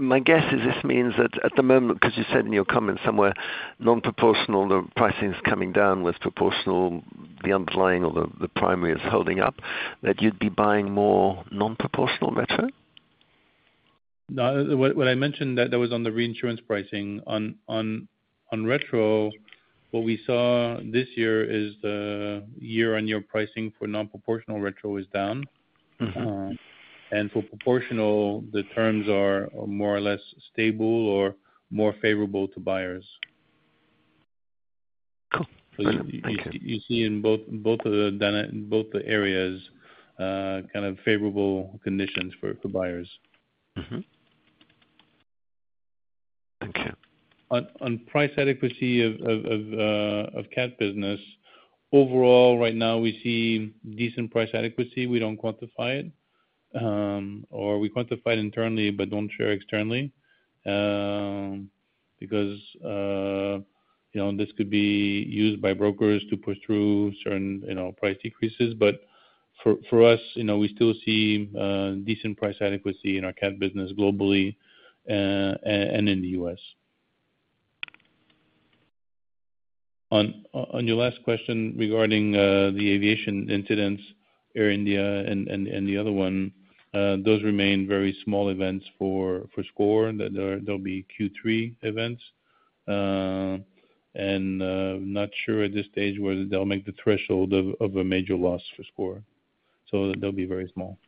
My guess is this means that at the moment, because you said in your comments, somewhere non-proportional, the pricing is coming down. With proportional, the underlying or the primary is holding up, that you'd be buying more non-proportional retro. What I mentioned that was on the reinsurance pricing on retro, what we saw this year is the year-on-year pricing for non-proportional retro is down and for proportional the terms are more or less stable or more favorable to buyers. You see in both areas kind of favorable conditions for buyers on price adequacy of cat business overall. Right now we see decent price adequacy. We don't quantify it or we quantify it internally but don't share externally because this could be used by brokers to push through certain price decreases. For us, we still see decent price adequacy in our cat business globally and in the U.S. On your last question regarding the aviation incidents, Air India and the other one, those remain very small events for SCOR, they'll be Q3 events and not sure at this stage whether they'll make the threshold of a major loss for SCOR. They'll be very small.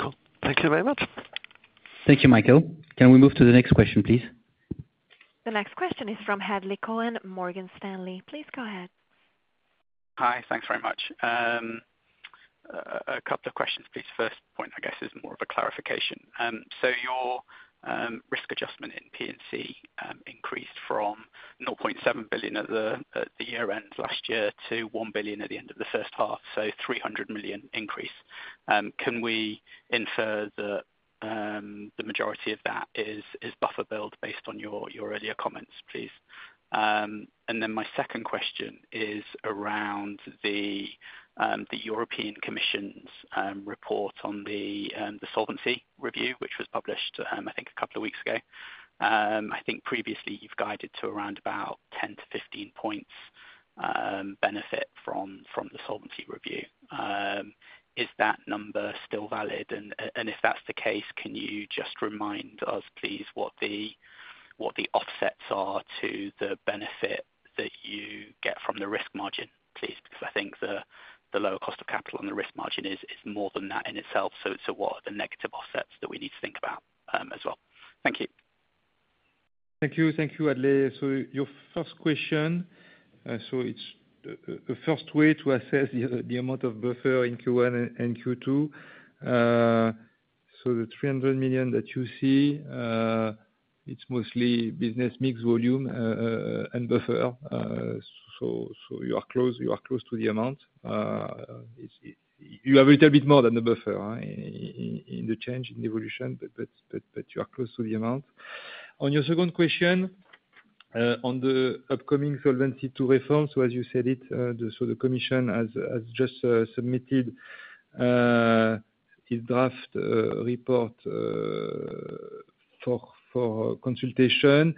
Cool, Thank you very much. Thank you, Michael. Can we move to the next question, please? The next question is from Hadley Cohen, Morgan Stanley. Please go ahead. Hi, thanks very much. A couple of questions, please. First point I guess is more of a clarification. Your risk adjustment in P&C increased from $0.7 billion at the year end last year to $1 billion at the end of the first half, so $300 million increase. Can we infer that the majority of that is buffer build based on your earlier comments, please? My second question is around the European Commission's report on the solvency review, which was published I think a couple of weeks ago. I think previously you've guided to around about 10% to 15% benefit from the solvency review. Is that number still valid? If that's the case, can you just remind us, please, what the offsets are to the benefit that you get from the risk margin, please? I think the lower cost of capital and the risk margin is more than that in itself. What are the negative offsets that we need to think about as well? Thank you. Thank you. Thank you, Hadley. Your first question, it's the first way to assess the amount of buffer in Q1 and Q2. The $300 million that you see, it's mostly business mix, volume, and buffer. You are close to the amount, you have a little bit more than the buffer in the change in evolution. You are close to the amount on your second question on the upcoming Solvency II reform. As you said, the Commission has just submitted its draft report for consultation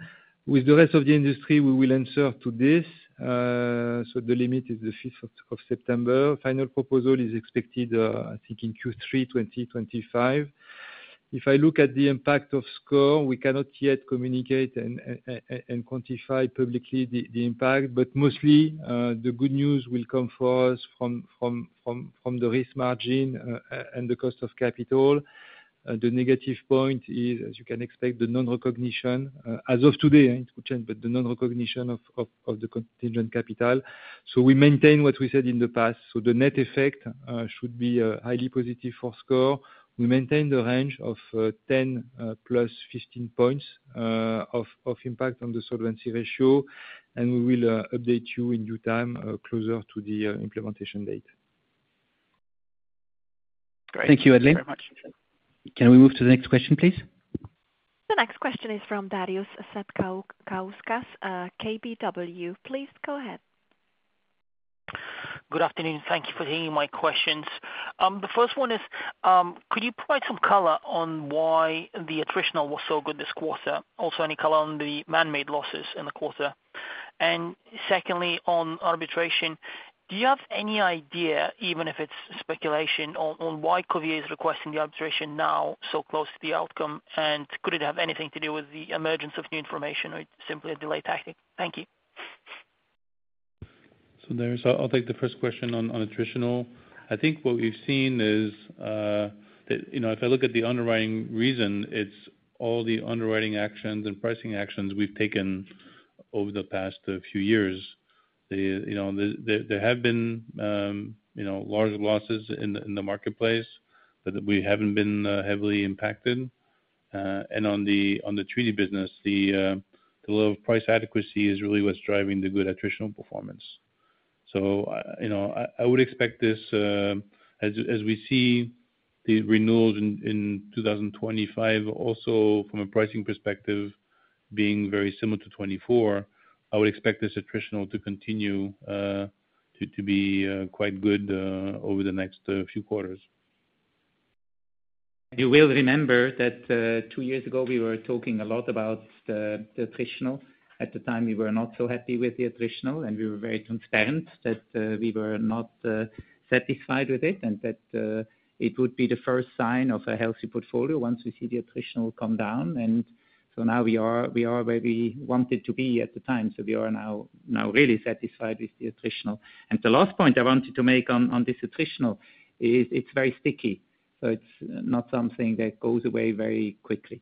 with the rest of the industry. We will answer to this. The limit is 5th September. Final proposal is expected, I think, in Q3 2025. If I look at the impact for SCOR, we cannot yet communicate and quantify publicly the impact. Mostly, the good news will come for us from the risk margin and the cost of capital. The negative point is, as you can expect, the non-recognition as of today, the non-recognition of the contingent capital. We maintain what we said in the past. The net effect should be highly positive for SCOR. We maintain the range of 10+ 15 points of impact on the solvency ratio and we will update you in due time closer to the implementation date. Thank you, Hadley. Can we move to the next question, please? The next question is from Darius Satkauskas, KBW. Please go ahead. Good afternoon. Thank you for taking my questions. The first one is could you provide some color on why the attritional was so good this quarter. Also, any color on the man-made losses in the quarter. Secondly, on arbitration, do you have any idea, even if it's speculation, on why Covéa is requesting the arbitration now, so close to the outcome? Could it have anything to do with the emergence of new information or simply a delay tactic? Thank you. I'll take the first question on attritional. I think what we've seen is that, you know, if I look at the underwriting reason, it's all the underwriting actions and pricing actions we've taken over the past few years. There have been large losses in the marketplace, but we haven't been heavily impacted. On the treaty business, the low price adequacy is really what's driving the good attritional performance. I would expect this, as we see the renewals in 2025, also from a pricing perspective, being very similar to 2024. I would expect this attritional to continue to be quite good over the next few quarters. You will remember that two years ago we were talking a lot about the attritional. At the time, we were not so happy with the attritional, and we were very transparent that we were not satisfied with it and that it would be the first sign of a healthy portfolio once we see the attritional come down. We are now where we wanted to be at the time. We are now really satisfied with the attritional. The last point I wanted to make on this attritional is it's very sticky, so it's not something that goes away very quickly.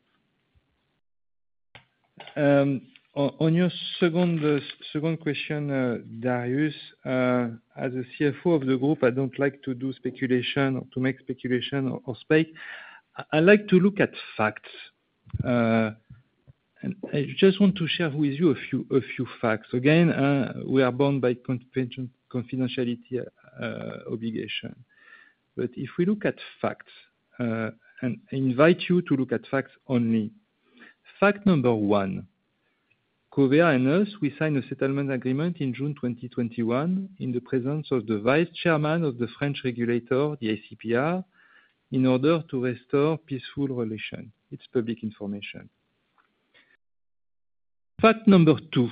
On your second question, Darius, as a CFO of the group, I don't like to do speculation or to make speculation or spake. I like to look at facts. I just want to share with you a few facts. Again, we are bound by confidentiality obligation, but if we look at facts, and I invite you to look at facts only. Fact number one, Covéa and us, we signed a settlement agreement in June 2021 in the presence of the Vice Chairman of the French regulator, the ACPR, in order to restore peaceful relation. It's public information. Fact number two,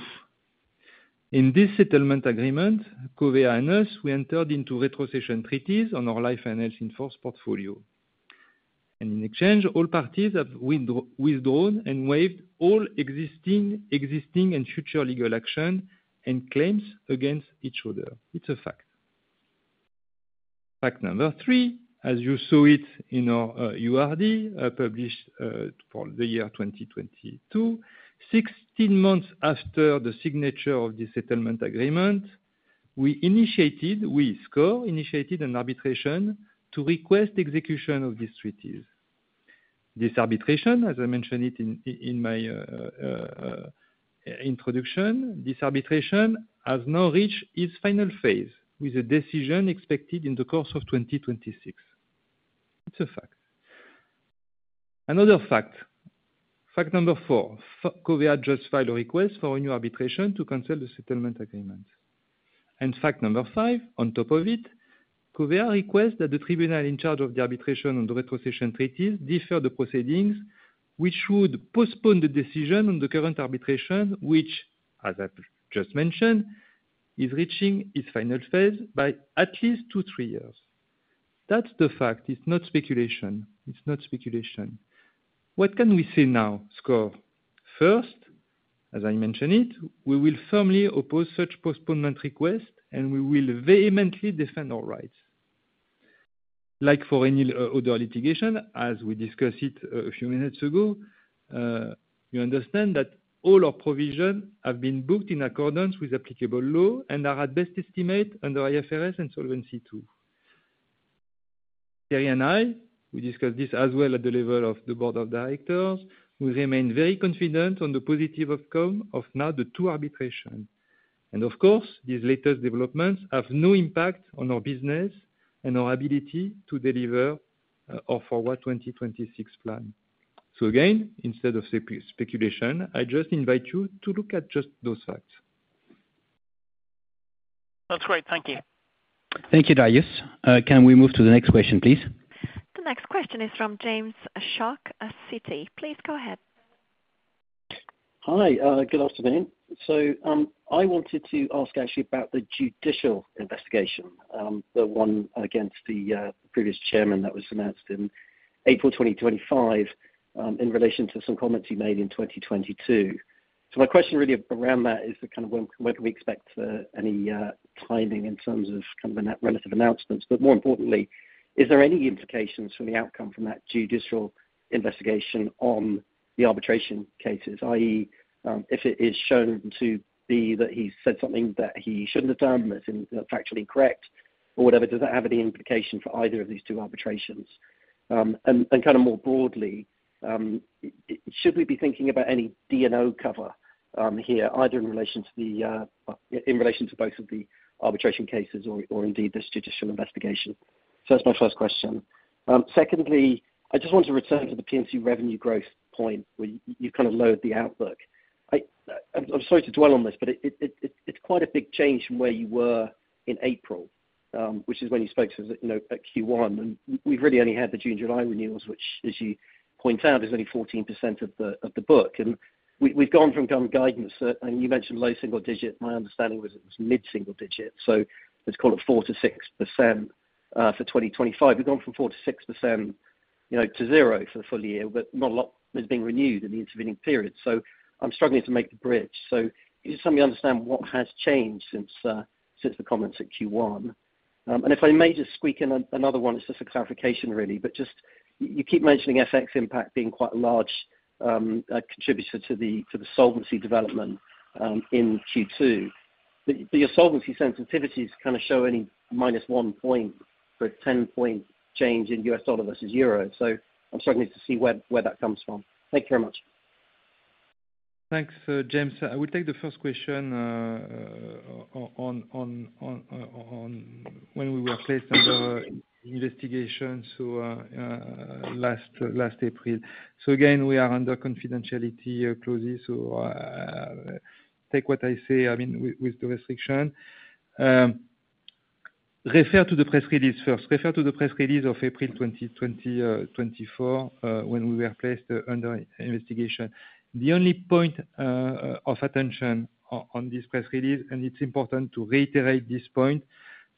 in this settlement agreement, Covéa and us, we entered into retrocession treaties on our Life & Health in-force portfolio and in exchange, all parties have withdrawn and waived all existing and future legal action and claims against each other. It's a fact. Fact number three, as you saw it in our URD, published for the year 2022, 16 months after the signature of the settlement agreement we initiated, we SCOR initiated an arbitration to request execution of these treaties. This arbitration, as I mentioned it in my introduction, this arbitration has now reached its final phase with a decision expected in the course of 2026. It's a fact. Another fact, fact number four, Covéa just filed a request for a new arbitration to cancel the settlement agreement. Fact number five, on top of it, Covéa requests that the tribunal in charge of the arbitration on the retrocession treaties defer the proceedings, which would postpone the decision on the current arbitration, which as I just mentioned, is reaching its final phase by at least two, three years. That's the fact. It's not speculation. It's not speculation. What can we say now, SCOR. First, as I mentioned it, we will firmly oppose such postponement requests and we will vehemently defend our rights like for any other litigation. As we discussed it a few minutes ago, you understand that all our provisions have been booked in accordance with applicable law and are at best estimate under IFRS and Solvency II. Thierry and I, we discussed this as well at the level of the Board of Directors. We remain very confident on the positive outcome of now the two arbitration. Of course, these latest developments have no impact on our business and our ability to deliver our Forward 2026 plan. Again, instead of speculation, I just invite you to look at just those facts. That's great. Thank you. Thank you, Darius. Can we move to the next question, please? The next question is from James Shuck, Citi. Please go ahead. Hi, good afternoon. I wanted to ask actually about the judicial investigation, the one against the previous chairman that was announced in April 2025 in relation to some comments he made in 2022. My question really around that is whether we expect any timing in terms of relative announcements. More importantly, is there any implication for the outcome from that judicial investigation on the arbitration cases? That is, if it is shown to be that he said something that he shouldn't have done that's factually incorrect or whatever, does that have any implication for either of these two arbitrations? More broadly, should we be thinking about any D&O cover here, either in relation to both of the arbitration cases or indeed this judicial investigation? That's my first question. Secondly, I just want to return to the P&C revenue growth point where you kind of lowered the outlook. I'm sorry to dwell on this, but it's quite a big change from where you were in April, which is when you spoke to us at Q1 and we've really only had the June-July renewals, which as you point out is only 14% of the book. We've gone from GWP guidance and you mentioned low single digit. My understanding was it was mid single digit, so call it 4% to 6% for 2025. We've gone from 4% to 6% to 0% for the full year. Not a lot is being renewed in the intervening period. I'm struggling to make the bridge. You understand what has changed since the comments at Q1. If I may just squeak in another one. It's just a clarification really, but you keep mentioning FX impact being quite a large contributor to the solvency development in Q2, but your solvency sensitivities kind of show only -1 point for a 10 point change in U.S. dollar versus euro. I'm starting to see where that comes from. Thank you very much. Thanks, James. I will take the first question. On When we were placed under investigation last April. We are under confidentiality clauses, so take what I say with the restriction, refer to the press release first, refer to the press release of April 2024, when we were placed under investigation. The only point of attention on this press release, and it's important to reiterate this point,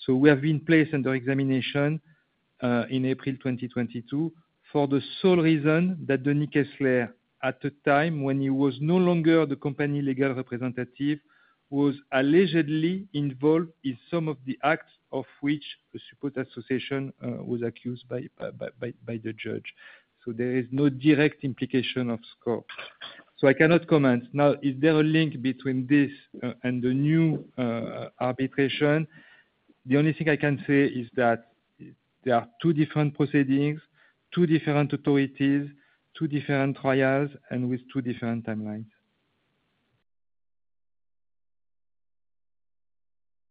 we have been placed under examination in April 2022 for the sole reason that the legal representative, at a time when he was no longer the company legal representative, was allegedly involved in some of the acts of which the support association was accused by the judge. There is no direct implication of SCOR, so I cannot comment now. Is there a link between this and the new arbitration? The only thing I can say is that there are two different proceedings, two different authorities, two different trials, and with two different timelines.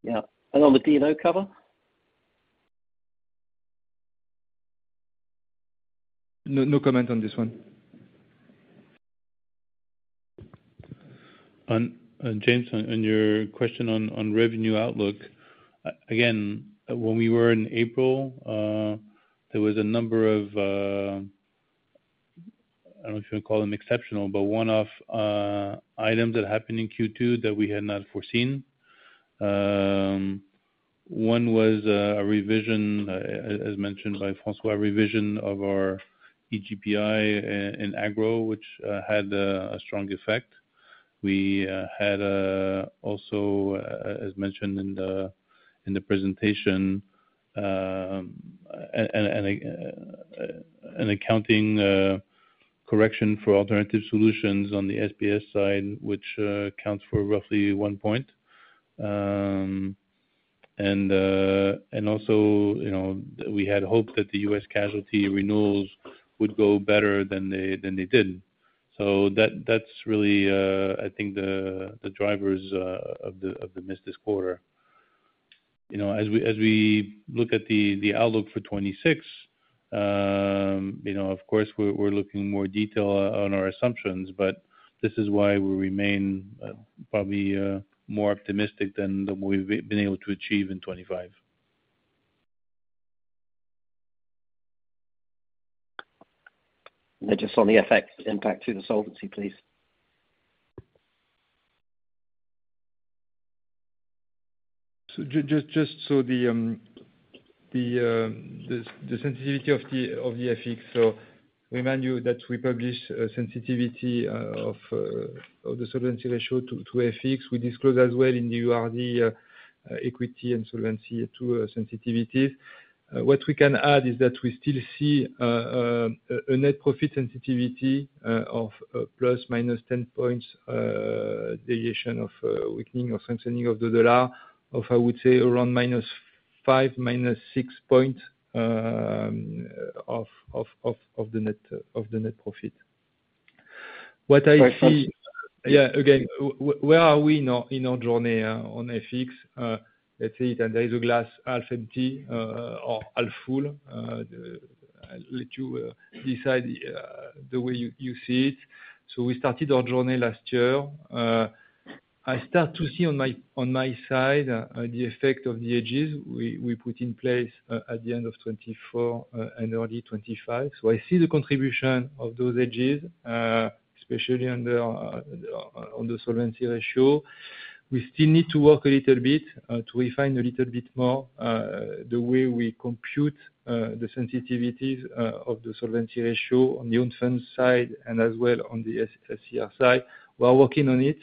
Yeah, on the DNO cover. No comment on this one. James, on your question on revenue outlook, again, when we were in April there was a number of, I don't know if you call them exceptional, but one-off items that happened in Q2 that we had not foreseen. One was a revision, as mentioned by François de Varenne, revision of our EGPI in agro, which had a strong effect. We had also, as mentioned in the presentation, an accounting correction for alternative solutions on the SBS side, which accounts for roughly one point. We had hopes that the U.S. casualty renewals would go better than they did. That's really, I think, the drivers of the miss this quarter. As we look at the outlook for 2026, of course we're looking more in detail on our assumptions. This is why we remain probably more optimistic than what we've been able to achieve in 2025. Just on the FX impact to the solvency, please. Just so the sensitivity of the FX, remind you that we publish sensitivity of the solvency ratio to FX. We disclose as well in the URD equity and solvency to sensitivities. What we can add is that we still see a net profit sensitivity of plus minus points, deviation of weakening or strengthening of the dollar of, I would say, around -5, -6 Points. Of the net profit. What I see. Yeah. Again, where are we in our journey on FX? Let's see. There is a glass half empty or half full. I'll let you decide the way you see it. We started our journey last year. I start to see on my side the effect of the hedges we put in place at the end of 2024 and early 2025. I see the contribution of those hedges especially on the solvency ratio. We still need to work a little bit to refine a little bit more the way we compute the sensitivities of the solvency ratio on the unfunded side and as well on the side. We are working on it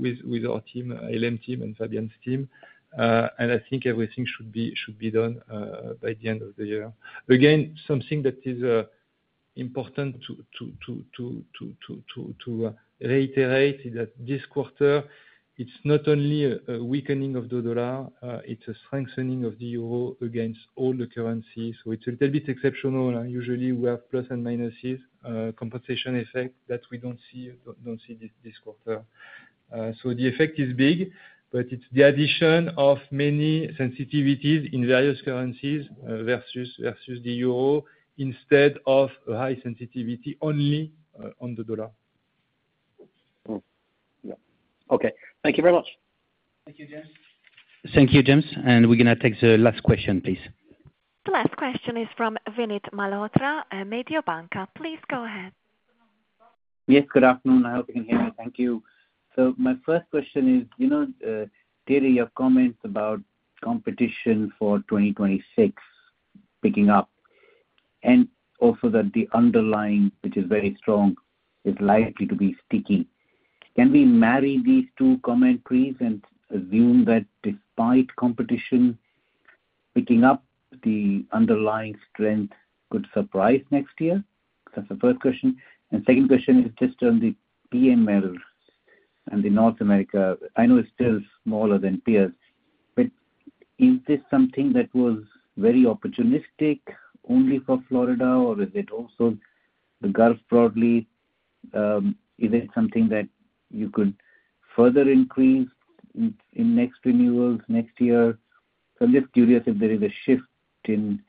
with our team, ILM team and Fabian's team. I think everything should be done by the end of the year. Again, something that is important to reiterate is that this quarter, it's not only a weakening of the dollar, it's a strengthening of the euro against all the currencies. It's a little bit exceptional. Usually we have plus and minus compensation effect that we don't see this quarter. The effect is big, but it's the addition of many sensitivities in various currencies versus the euro instead of high sensitivity only on the dollar. Okay, thank you very much. Thank you, James. Thank you, James. We're going to take the last question, please. The last question is from Vinit Malhotra, Mediobanca. Please go ahead. Yes, good afternoon. I hope you can hear me. Thank you. My first question is, you know, Thierry, your comments about competition for 2026 picking up and also that the underlying, which is very strong, is likely to be sticky. Can we marry these two commentaries and assume that despite competition picking up, the underlying strength could surprise next year? That's the first question. Second question is just on the PML and North America. I know it's still smaller than peers, but is this something that was very opportunistic only for Florida or is it also the Gulf broadly? Is it something that you could further increase in next renewals next year? I'm just curious if there is a shift in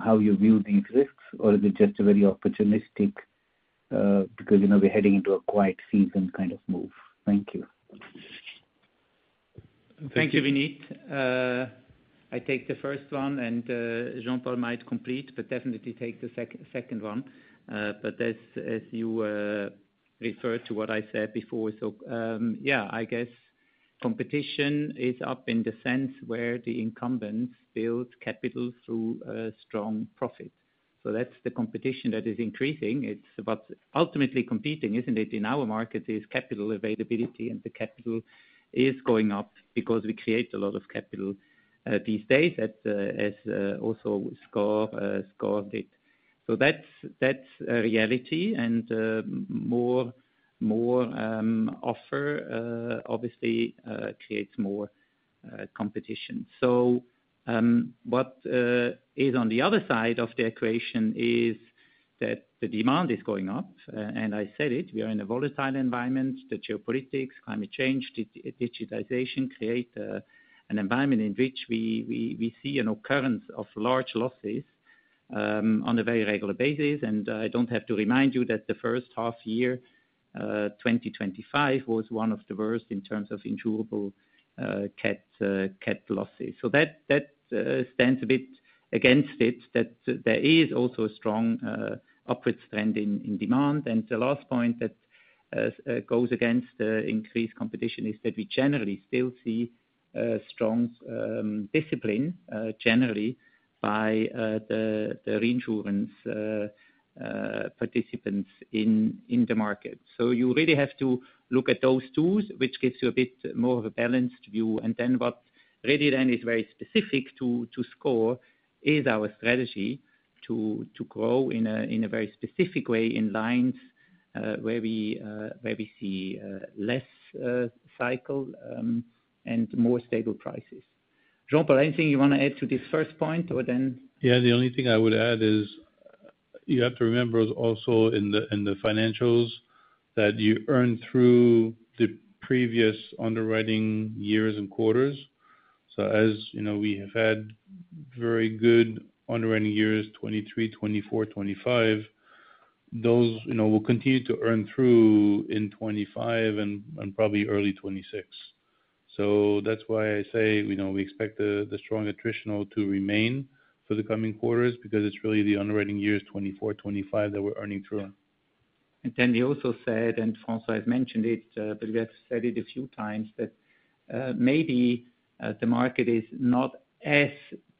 how you view these risks or is it just very opportunistic because, you know, we're heading into a quiet season kind of move. Thank you. Thank you, Vinit. I take the first one and Jean-Paul might complete, but definitely take the second one. As you referred to what I said before, I guess competition is up in the sense where the incumbents build capital through strong. That's the competition that is increasing. Ultimately, competing in our market is capital availability, and the capital is going up because we create a lot of capital these days, as also SCOR did. That's reality. More offer obviously creates more competition. What is on the other side of the equation is that the demand is going up, and I said it. We are in a volatile environment. The geopolitics, climate change, digitization create an environment in which we see an occurrence of large losses on a very regular basis. I don't have to remind you that the first half year, 2025, was one of the worst in terms of insurable. That stands a bit against it, that there is also a strong upward trend in demand. The last point that goes against increased competition is that we generally still see strong discipline, generally by the reinsurance participants in the market. You really have to look at those tools, which gives you a bit more of a balanced view. What really then is very specific to SCOR is our strategy to grow in a very specific way in lines where we see less cycle and more stable prices. Jean-Paul, anything you want to add to this first point or then? Yeah, the only thing I would add is you have to remember also in the financials that you earn through the previous underwriting years and quarters. As you know, we have had very good underwriting years 2023, 2024, 2025. Those will continue to earn through in 2025 and probably early 2026. That's why I say we expect the strong attritional to remain for the coming quarters because it's really the underwriting years 2024, 2025 that we're earning through. He also said, and François has mentioned it, we have said it a few times, that maybe the market is not as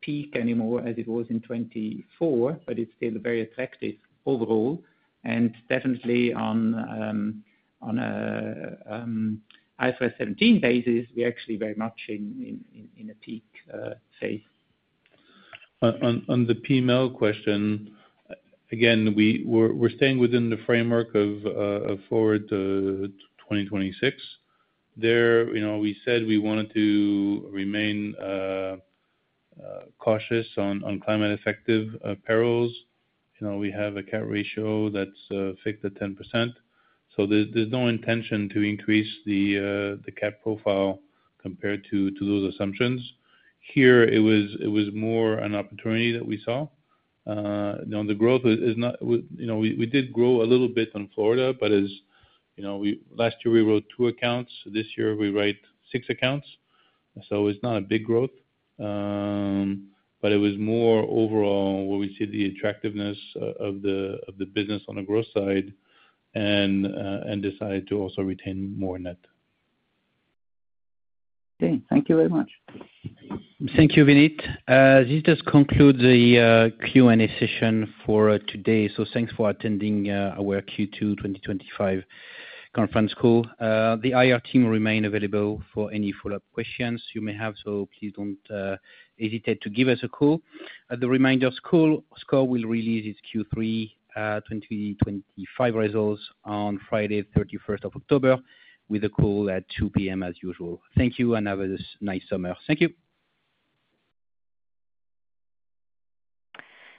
peak anymore as it was in 2024, but it's still very attractive overall. Definitely on IFRS 17 basis, we are actually very much in a peak phase. On the PML question again, we're staying within the framework of Forward 2026 there. You know, we said we wanted to remain cautious on climate effective perils. We have a CAT ratio that's fixed at 10%, so there's no intention to increase the CAT profile compared to those assumptions here. It was more an opportunity that we saw. The growth is not, you know, we did grow a little bit in Florida, but as you know, last year we wrote two accounts. This year we write six accounts. It's not a big growth. It was more overall where we see the attractiveness of the business on the growth side and decided to also retain more net. Okay, thank you very much. Thank you. Vinit, this does conclude the Q&A session for today, so thanks for attending our Q2 2025 conference call. The IR team will remain available for any follow-up questions you may have, so please don't hesitate to give us a call at the reminder. SCOR will release its Q3 2025 results on Friday, 31st of October, with a call at 2:00 P.M. as usual. Thank you and have a nice summer. Thank you.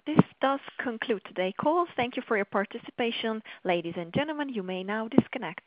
This does conclude today's call. Thank you for your participation, ladies and gentlemen. You may now disconnect.